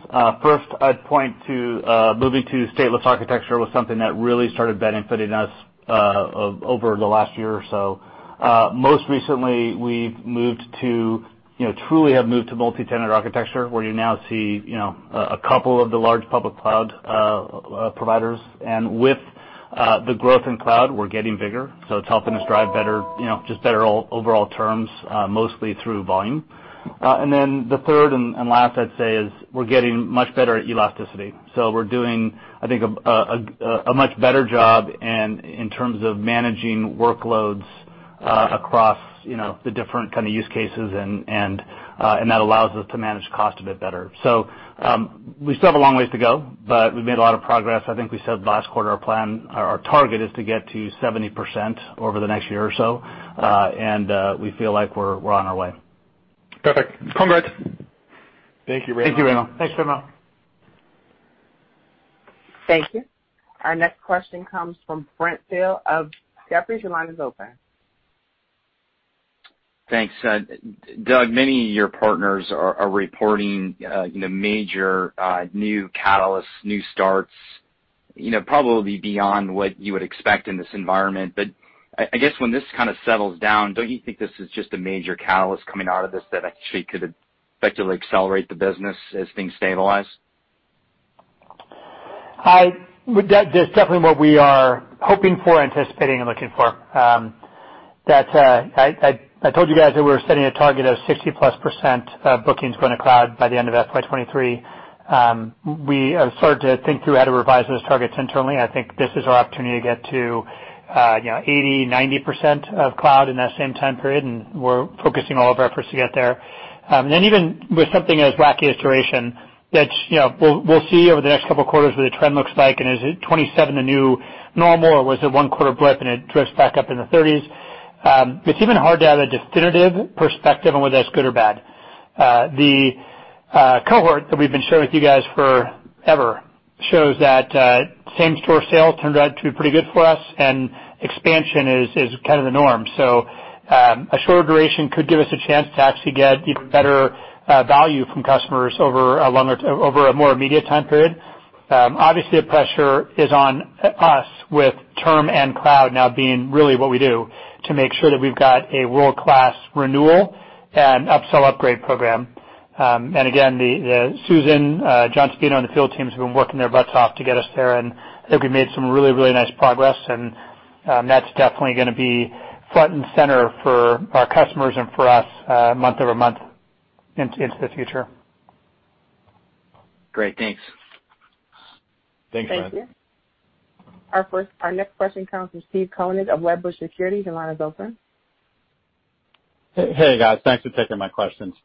First, I'd point to moving to stateless architecture was something that really started benefiting us over the last year or so. Most recently, we've moved to, you know, truly have moved to multi-tenant architecture, where you now see, you know, a couple of the large public cloud providers. With the growth in cloud, we're getting bigger, so it's helping us drive better, you know, just better overall terms mostly through volume. The third and last I'd say is we're getting much better at elasticity. We're doing, I think, a much better job in terms of managing workloads across, you know, the different kind of use cases, and that allows us to manage cost a bit better. We still have a long ways to go, but we've made a lot of progress. I think we said last quarter, our plan, our target is to get to 70% over the next year or so, and we feel like we're on our way. Perfect. Congrats. Thank you, Raimo. Thank you, Raimo. Thanks, Raimo. Thank you. Our next question comes from Brent Thill of Jefferies. Your line is open. Thanks. Doug, many of your partners are reporting, you know, major, new catalysts, new starts, you know, probably beyond what you would expect in this environment. I guess when this kind of settles down, don't you think this is just a major catalyst coming out of this that actually could effectively accelerate the business as things stabilize? That's definitely what we are hoping for, anticipating, and looking for. I told you guys that we're setting a target of 60%+ bookings going to cloud by the end of FY 2023. We have started to think through how to revise those targets internally. I think this is our opportunity to get to, you know, 80%, 90% of cloud in that same time period, and we're focusing all of our efforts to get there. Then even with something as rocky as duration, that's, you know, we'll see over the next couple of quarters what the trend looks like, and is it 27 the new normal, or was it 1 quarter blip, and it drifts back up in the 30s? It's even hard to have a definitive perspective on whether that's good or bad. The cohort that we've been sharing with you guys forever shows that same store sales turned out to be pretty good for us, expansion is kind of the norm. A shorter duration could give us a chance to actually get even better value from customers over a more immediate time period. Obviously, the pressure is on us with term and cloud now being really what we do to make sure that we've got a world-class renewal and upsell upgrade program. The Susan, John Sabino, and the field teams have been working their butts off to get us there, and I think we made some really, really nice progress, and that's definitely gonna be front and center for our customers and for us, month-over-month into the future. Great. Thanks. Thanks, Brent. Thank you. Our next question comes from Steve Koenig of Wedbush Securities. Your line is open. Hey, hey, guys. Thanks for taking my questions.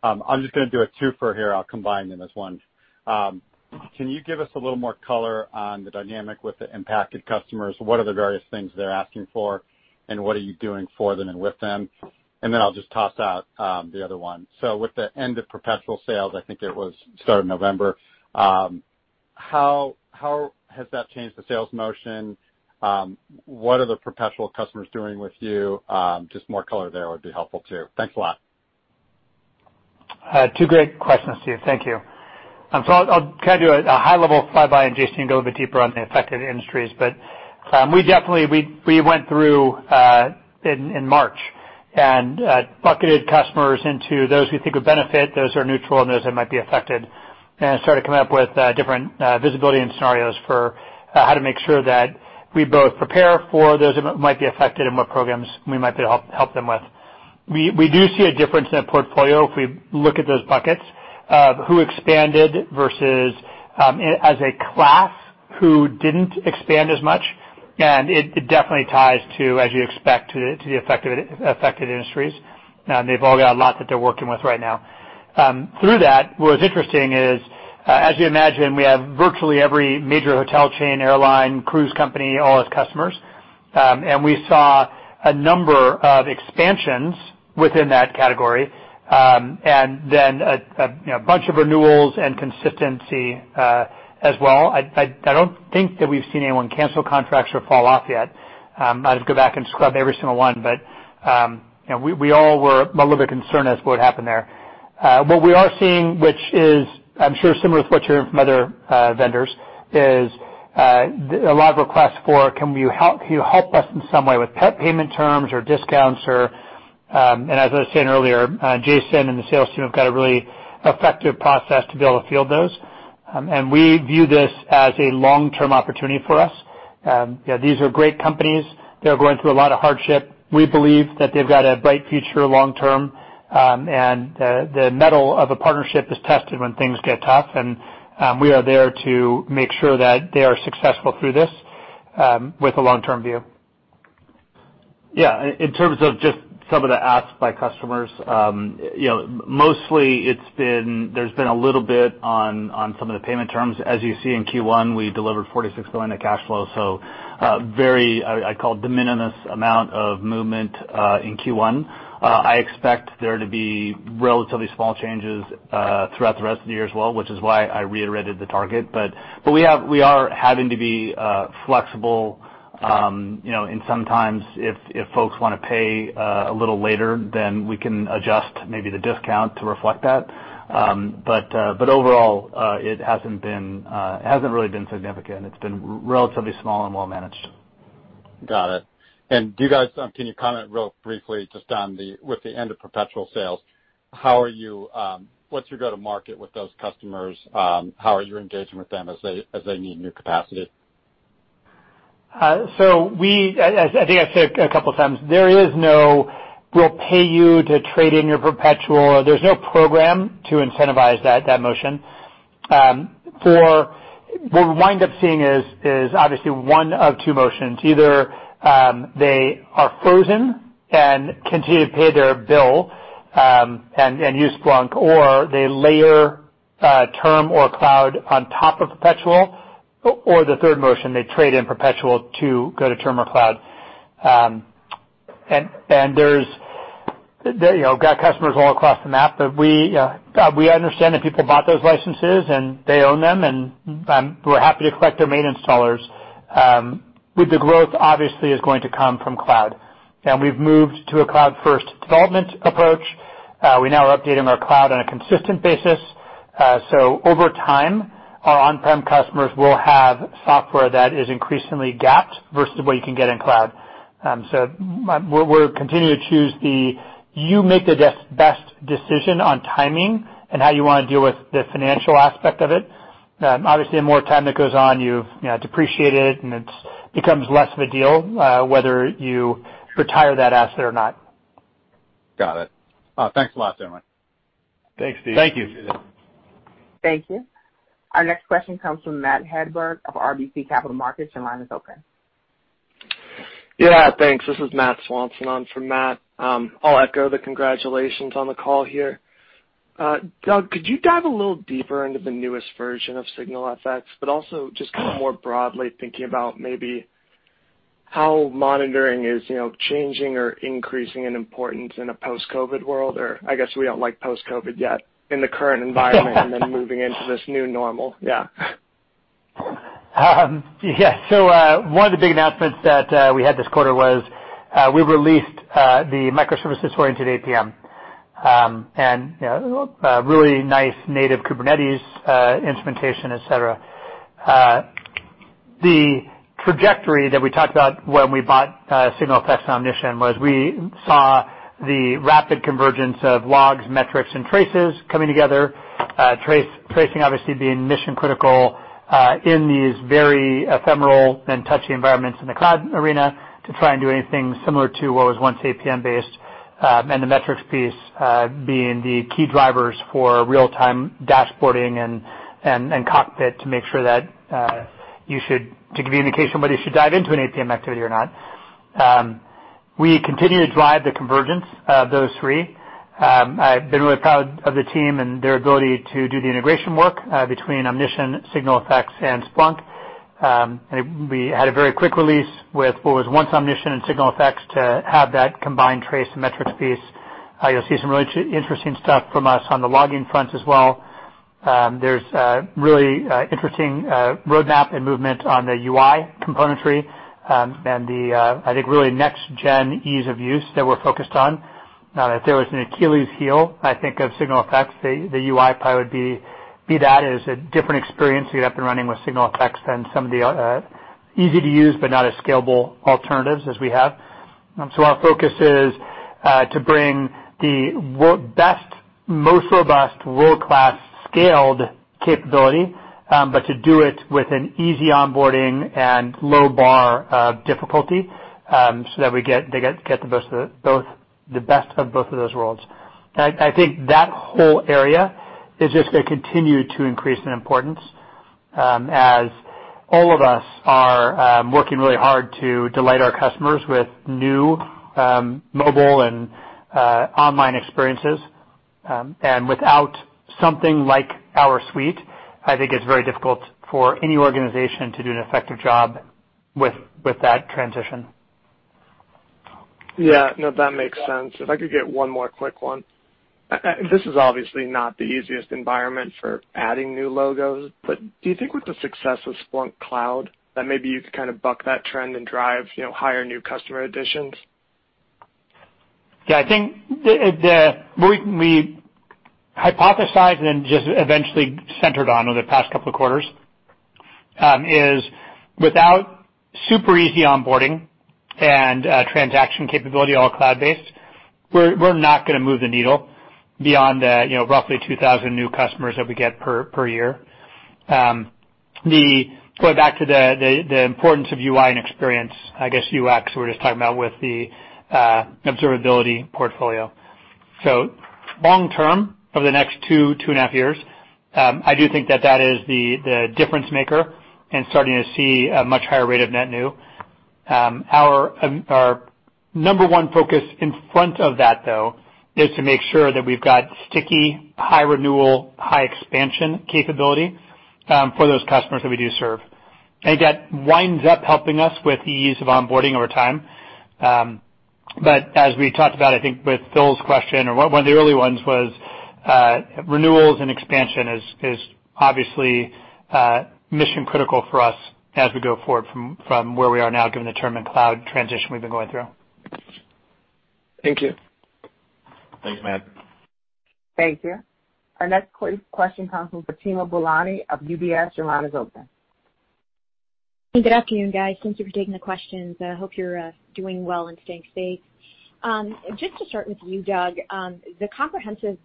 I'm just gonna do a twofer here. I'll combine them as one. Can you give us a little more color on the dynamic with the impacted customers? What are the various things they're asking for, and what are you doing for them and with them? I'll just toss out the other one. With the end of perpetual sales, I think it was start of November, how has that changed the sales motion? What are the perpetual customers doing with you? Just more color there would be helpful too. Thanks a lot. Two great questions, Steve Koenig. Thank you. I'll kind of do a high-level flyby, and Jason Child can go a little bit deeper on the affected industries. We definitely went through in March and bucketed customers into those we think would benefit, those who are neutral, and those that might be affected, and started coming up with different visibility and scenarios for how to make sure that we both prepare for those that might be affected and what programs we might be help them with. We do see a difference in the portfolio if we look at those buckets of who expanded versus as a class who didn't expand as much. It definitely ties to, as you expect, to the affected industries. They've all got a lot that they're working with right now. Through that, what was interesting is, as you imagine, we have virtually every major hotel chain, airline, cruise company, all as customers. And we saw a number of expansions within that category, and then a, you know, bunch of renewals and consistency as well. I don't think that we've seen anyone cancel contracts or fall off yet. I'd have to go back and scrub every single one, but, you know, we all were a little bit concerned as to what happened there. What we are seeing, which is I'm sure similar to what you're hearing from other vendors, is a lot of requests for can you help us in some way with payment terms or discounts or. As I was saying earlier, Jason and the sales team have got a really effective process to be able to field those. We view this as a long-term opportunity for us. You know, these are great companies. They're going through a lot of hardship. We believe that they've got a bright future long term, the mettle of a partnership is tested when things get tough, we are there to make sure that they are successful through this, with a long-term view. Yeah, in terms of just some of the asks by customers, you know, mostly there's been a little bit on some of the payment terms. As you see, in Q1, we delivered $46 billion of cash flow. Very, I call de minimis amount of movement in Q1. I expect there to be relatively small changes throughout the rest of the year as well, which is why I reiterated the target. We are having to be flexible, you know, and sometimes if folks wanna pay a little later, then we can adjust maybe the discount to reflect that. Overall, it hasn't really been significant. It's been relatively small and well-managed. Got it. Do you guys, can you comment real briefly just with the end of perpetual sales, how are you, what's your go-to-market with those customers? How are you engaging with them as they need new capacity? I think I've said a couple times, there is no we'll pay you to trade in your perpetual. There's no program to incentivize that motion. What we wind up seeing is obviously one of two motions. Either, they are frozen and continue to pay their bill, and use Splunk, or they layer term or cloud on top of perpetual. The third motion, they trade in perpetual to go to term or cloud. There's, they, you know, got customers all across the map, but we understand that people bought those licenses and they own them, and we're happy to collect their maintenance dollars. The growth obviously is going to come from cloud. We've moved to a cloud-first development approach. We're now updating our cloud on a consistent basis. Over time, our on-prem customers will have software that is increasingly gapped versus what you can get in cloud. We're continuing to choose the you make the best decision on timing and how you wanna deal with the financial aspect of it. Obviously, the more time that goes on, you've, you know, depreciated it and it's becomes less of a deal, whether you retire that asset or not. Got it. Thanks a lot, gentlemen. Thanks, Steve. Thank you. Thank you. Our next question comes from Matthew Hedberg of RBC Capital Markets. Your line is open. Thanks. This is Matthew Swanson on for Matt. I'll echo the congratulations on the call here. Doug, could you dive a little deeper into the newest version of SignalFx, but also just kind of more broadly thinking about maybe how monitoring is, you know, changing or increasing in importance in a post-COVID world? I guess we don't like post-COVID yet. Moving into this new normal. One of the big announcements that we had this quarter was we released the microservices-oriented APM. A really nice native Kubernetes instrumentation, et cetera. The trajectory that we talked about when we bought SignalFx and Omnition was we saw the rapid convergence of logs, metrics, and traces coming together. Trace-tracing obviously being mission-critical in these very ephemeral and touchy environments in the cloud arena to try and do anything similar to what was once APM based, and the metrics piece being the key drivers for real-time dashboarding and cockpit to make sure that to communicate somebody should dive into an APM activity or not. We continue to drive the convergence of those three. I've been really proud of the team and their ability to do the integration work between Omnition, SignalFx, and Splunk. We had a very quick release with what was once Omnition and SignalFx to have that combined trace and metrics piece. You'll see some really interesting stuff from us on the logging front as well. There's really interesting roadmap and movement on the UI componentry, and the I think really next gen ease of use that we're focused on. Now, if there was an Achilles heel, I think of SignalFx, the UI probably would be that as a different experience you have been running with SignalFx than some of the easy to use but not as scalable alternatives as we have. Our focus is to bring the best, most robust world-class scaled capability, but to do it with an easy onboarding and low bar of difficulty, so that they get the best of both of those worlds. I think that whole area is just gonna continue to increase in importance, as all of us are working really hard to delight our customers with new mobile and online experiences. Without something like our suite, I think it's very difficult for any organization to do an effective job with that transition. Yeah. No, that makes sense. If I could get one more quick one. This is obviously not the easiest environment for adding new logos, but do you think with the success of Splunk Cloud that maybe you could kind of buck that trend and drive, you know, higher new customer additions? Yeah, I think we hypothesized and just eventually centered on over the past couple of quarters, is without super easy onboarding and transaction capability, all cloud-based, we're not gonna move the needle beyond the, you know, roughly 2,000 new customers that we get per year. Going back to the importance of UI and experience, I guess UX we're just talking about with the observability portfolio. Long term, over the next two and a half years, I do think that that is the difference maker in starting to see a much higher rate of net new. Our number one focus in front of that, though, is to make sure that we've got sticky, high renewal, high expansion capability for those customers that we do serve. I think that winds up helping us with the ease of onboarding over time. As we talked about, I think with Phil's question or one of the early ones was, renewals and expansion is obviously mission critical for us as we go forward from where we are now, given the term and cloud transition we've been going through. Thank you. Thanks, Matt. Thank you. Our next question comes from Fatima Boolani of UBS. Your line is open. Good afternoon, guys. Thank you for taking the questions. I hope you're doing well and staying safe. Just to start with you, Doug, the comprehensive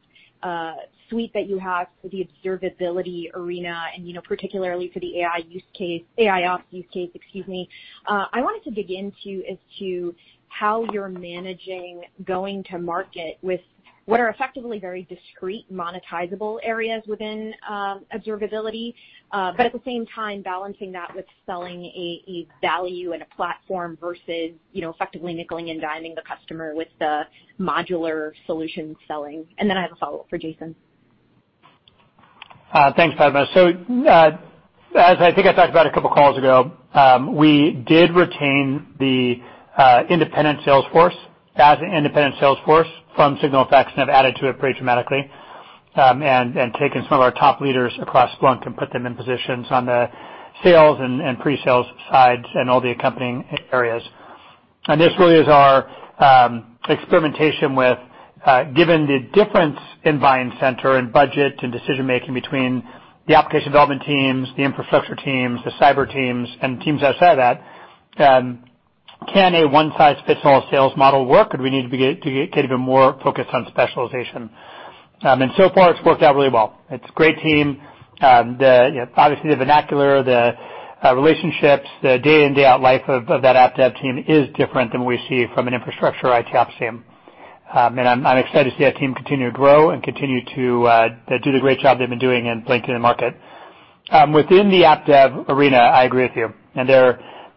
suite that you have for the observability arena and, you know, particularly for the AI use case, AIOps use case, excuse me. I wanted to dig into as to how you're managing going to market with what are effectively very discreet monetizable areas within observability. At the same time, balancing that with selling a value and a platform versus, you know, effectively nickeling and diming the customer with the modular solution selling. I have a follow-up for Jason. Thanks, Fatima. As I think I talked about a couple calls ago, we did retain the independent sales force as an independent sales force from SignalFx, and have added to it pretty dramatically, and taken some of our top leaders across Splunk and put them in positions on the sales and pre-sales sides and all the accompanying areas. This really is our experimentation with given the difference in buying center and budget and decision-making between the application development teams, the infrastructure teams, the cyber teams, and teams outside of that, can a one-size-fits-all sales model work? Do we need to get even more focused on specialization? So far, it's worked out really well. It's a great team. The, you know, obviously the vernacular, the relationships, the day in, day out life of that app dev team is different than we see from an infrastructure IT ops team. I'm excited to see that team continue to grow and continue to do the great job they've been doing in linking the market. Within the app dev arena, I agree with you.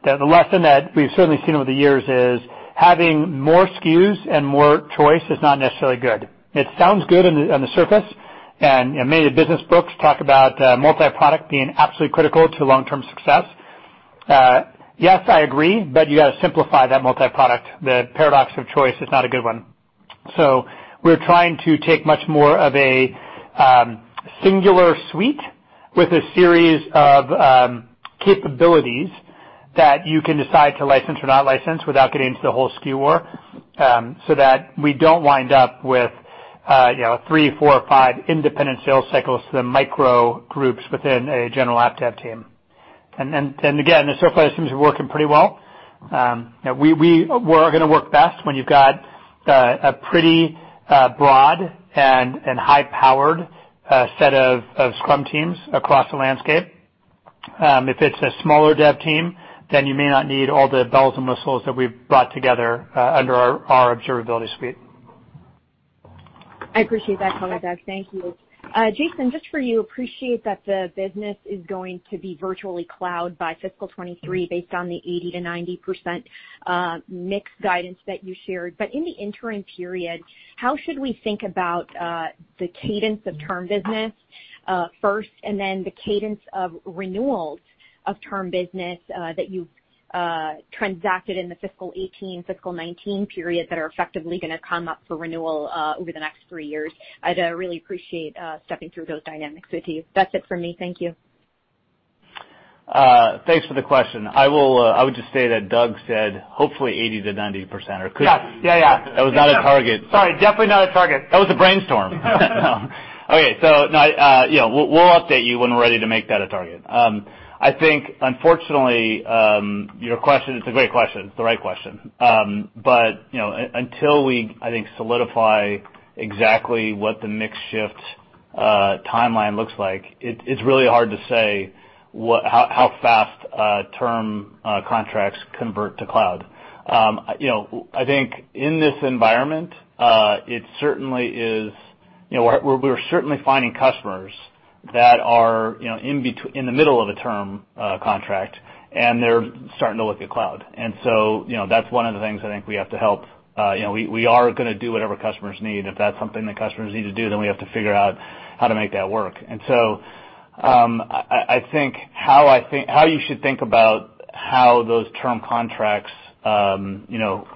The lesson that we've certainly seen over the years is having more SKUs and more choice is not necessarily good. It sounds good on the surface. Many of the business books talk about multi-product being absolutely critical to long-term success. Yes, I agree, but you gotta simplify that multi-product. The paradox of choice is not a good one. We're trying to take much more of a singular suite with a series of capabilities that you can decide to license or not license without getting into the whole SKU war, so that we don't wind up with, you know, three, four, five independent sales cycles to the micro groups within a general app dev team. Then again, so far it seems to be working pretty well. You know, we're gonna work best when you've got a pretty broad and high-powered set of scrum teams across the landscape. If it's a smaller dev team, then you may not need all the bells and whistles that we've brought together under our observability suite. I appreciate that color, Doug. Thank you. Jason, just for you, appreciate that the business is going to be virtually cloud by fiscal 2023 based on the 80%-90% mix guidance that you shared. In the interim period, how should we think about the cadence of term business first, and then the cadence of renewals of term business that you've transacted in the fiscal 2018, fiscal 2019 periods that are effectively gonna come up for renewal over the next three years? I'd really appreciate stepping through those dynamics with you. That's it for me. Thank you. Thanks for the question. I will, I would just say that Doug said hopefully 80%-90%. Yes. Yeah, yeah. That was not a target. Sorry, definitely not a target. That was a brainstorm. Okay. No, you know, we'll update you when we're ready to make that a target. I think unfortunately, your question, it's a great question, it's the right question. You know, until we, I think, solidify exactly what the mix shift, timeline looks like, it's really hard to say how fast, term, contracts convert to cloud. You know, I think in this environment, it certainly is You know, we're certainly finding customers that are, you know, in the middle of a term, contract, and they're starting to look at cloud. You know, that's one of the things I think we have to help. You know, we are gonna do whatever customers need. If that's something that customers need to do, then we have to figure out how to make that work. I think how you should think about how those term contracts, you know,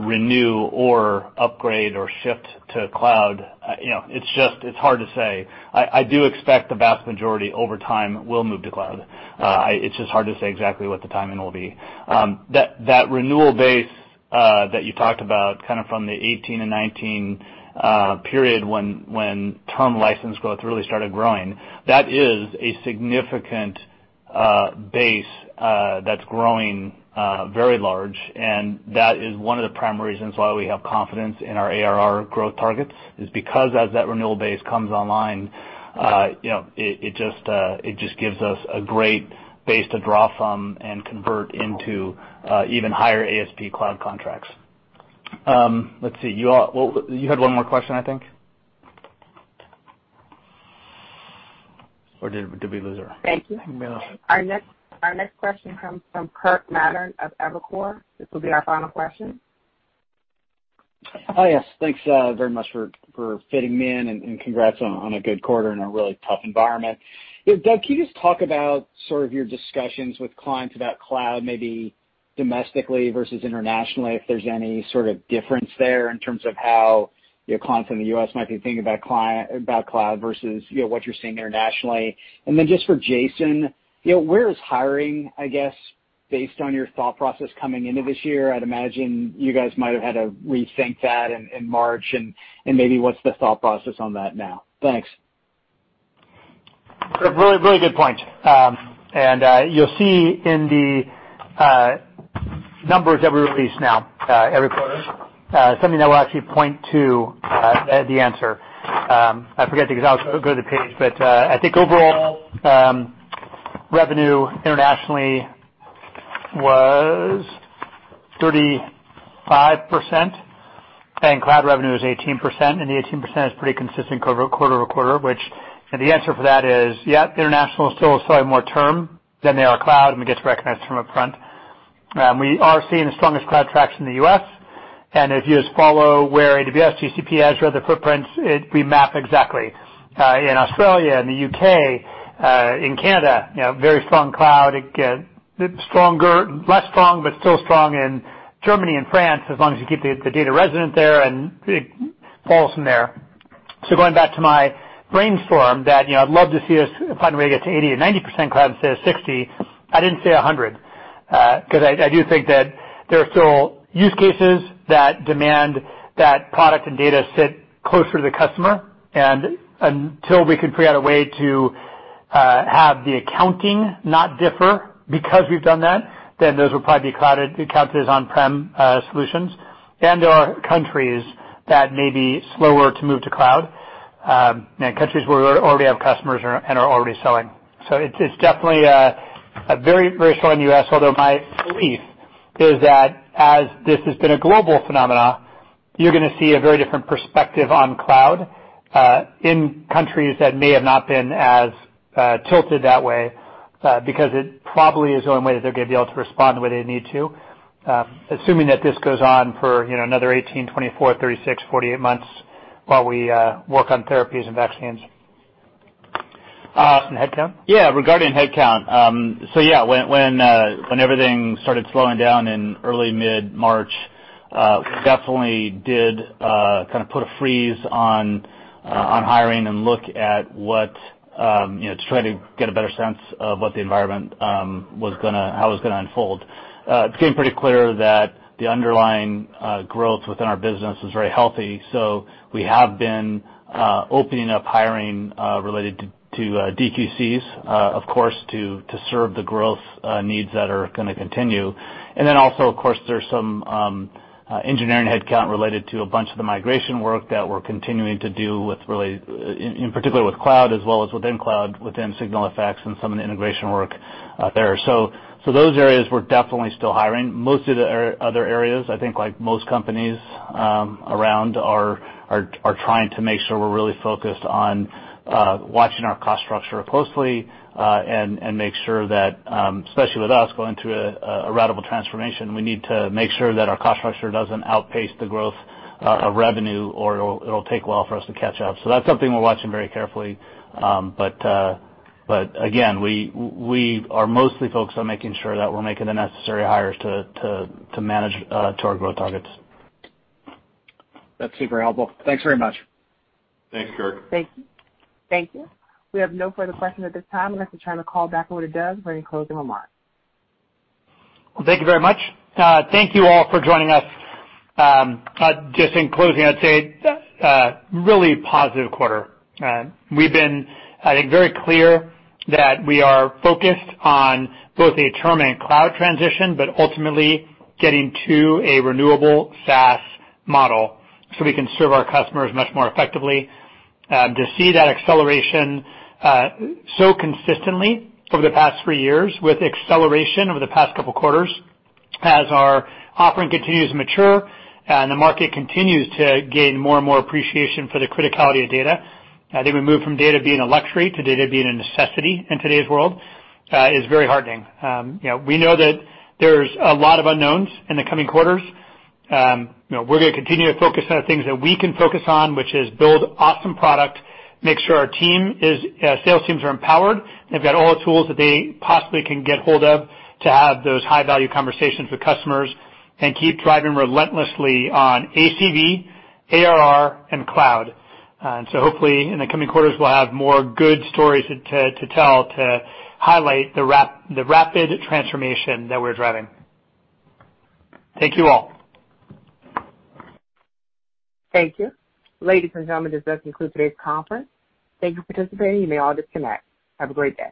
renew or upgrade or shift to cloud, you know, it's just, it's hard to say. I do expect the vast majority over time will move to cloud. It's just hard to say exactly what the timing will be. That renewal base that you talked about, kind of from the 2018 and 2019 period when term license growth really started growing, that is a significant base that's growing very large. That is one of the primary reasons why we have confidence in our ARR growth targets, is because as that renewal base comes online, you know, it just gives us a great base to draw from and convert into even higher ASP cloud contracts. Let's see. Well, you had one more question, I think? Did we lose her? Thank you. No. Our next question comes from Kirk Materne of Evercore. This will be our final question. Oh, yes. Thanks very much for fitting me in, and congrats on a good quarter in a really tough environment. Yeah, Doug, can you just talk about sort of your discussions with clients about cloud, maybe domestically versus internationally, if there's any sort of difference there in terms of how, you know, clients in the U.S. might be thinking about cloud versus, you know, what you're seeing internationally? Just for Jason, you know, where is hiring, I guess, based on your thought process coming into this year? I'd imagine you guys might have had to rethink that in March and maybe what's the thought process on that now? Thanks. Very, very good point. You'll see in the numbers that we release now, every quarter, something that will actually point to the answer. I think overall, revenue internationally was 35%, and cloud revenue is 18%, and the 18% is pretty consistent quarter-over-quarter. The answer for that is, yeah, international is still slightly more term than they are cloud, and it gets recognized from upfront. We are seeing the strongest cloud traction in the U.S., if you just follow where AWS, GCP, Azure, other footprints, we map exactly. In Australia, in the U.K., in Canada, you know, very strong cloud. It get stronger, less strong, but still strong in Germany and France as long as you keep the data resident there, and it falls from there. Going back to my brainstorm that, you know, I'd love to see cloud rate get to 80% or 90% cloud instead of 60, I didn't say 100, 'cause I do think that there are still use cases that demand that product and data sit closer to the customer. Until we can figure out a way to have the accounting not differ because we've done that, then those will probably be accounted as on-prem solutions. There are countries that may be slower to move to cloud, you know, countries where we already have customers and are already selling. It's definitely a very, very strong U.S., although my belief is that as this has been a global phenomena, you're gonna see a very different perspective on cloud in countries that may have not been as tilted that way because it probably is the only way that they're gonna be able to respond the way they need to, assuming that this goes on for, you know, another 18, 24, 36, 48 months while we work on therapies and vaccines. Headcount? Yeah, regarding headcount. When everything started slowing down in early mid-March, we definitely did kind of put a freeze on hiring and look at what, you know, to try to get a better sense of what the environment how it was gonna unfold. It became pretty clear that the underlying growth within our business was very healthy. We have been opening up hiring related to DQC, of course, to serve the growth needs that are gonna continue. Also, of course, there's some engineering headcount related to a bunch of the migration work that we're continuing to do with really in particular with cloud as well as within cloud, within SignalFx and some of the integration work there. Those areas we're definitely still hiring. Most of the other areas, I think like most companies, around are trying to make sure we're really focused on watching our cost structure closely and make sure that especially with us going through a radical transformation, we need to make sure that our cost structure doesn't outpace the growth revenue or it'll take a while for us to catch up. That's something we're watching very carefully. Again, we are mostly focused on making sure that we're making the necessary hires to manage to our growth targets. That's super helpful. Thanks very much. Thanks, Kirk. Thank you. Thank you. We have no further questions at this time. Unless we try to call back over to Doug for any closing remarks. Well, thank you very much. Thank you all for joining us. Just in closing, I'd say, really positive quarter. We've been, I think, very clear that we are focused on both a term and cloud transition, but ultimately getting to a renewable SaaS model so we can serve our customers much more effectively. To see that acceleration, so consistently over the past three years with acceleration over the past couple quarters as our offering continues to mature and the market continues to gain more and more appreciation for the criticality of data, they've moved from data being a luxury to data being a necessity in today's world, is very heartening. You know, we know that there's a lot of unknowns in the coming quarters. You know, we're gonna continue to focus on things that we can focus on, which is build awesome product, make sure our team is, sales teams are empowered, they've got all the tools that they possibly can get hold of to have those high-value conversations with customers and keep driving relentlessly on ACV, ARR, and cloud. Hopefully in the coming quarters, we'll have more good stories to tell, to highlight the rapid transformation that we're driving. Thank you all. Thank you. Ladies and gentlemen, this does conclude today's conference. Thank you for participating. You may all disconnect. Have a great day.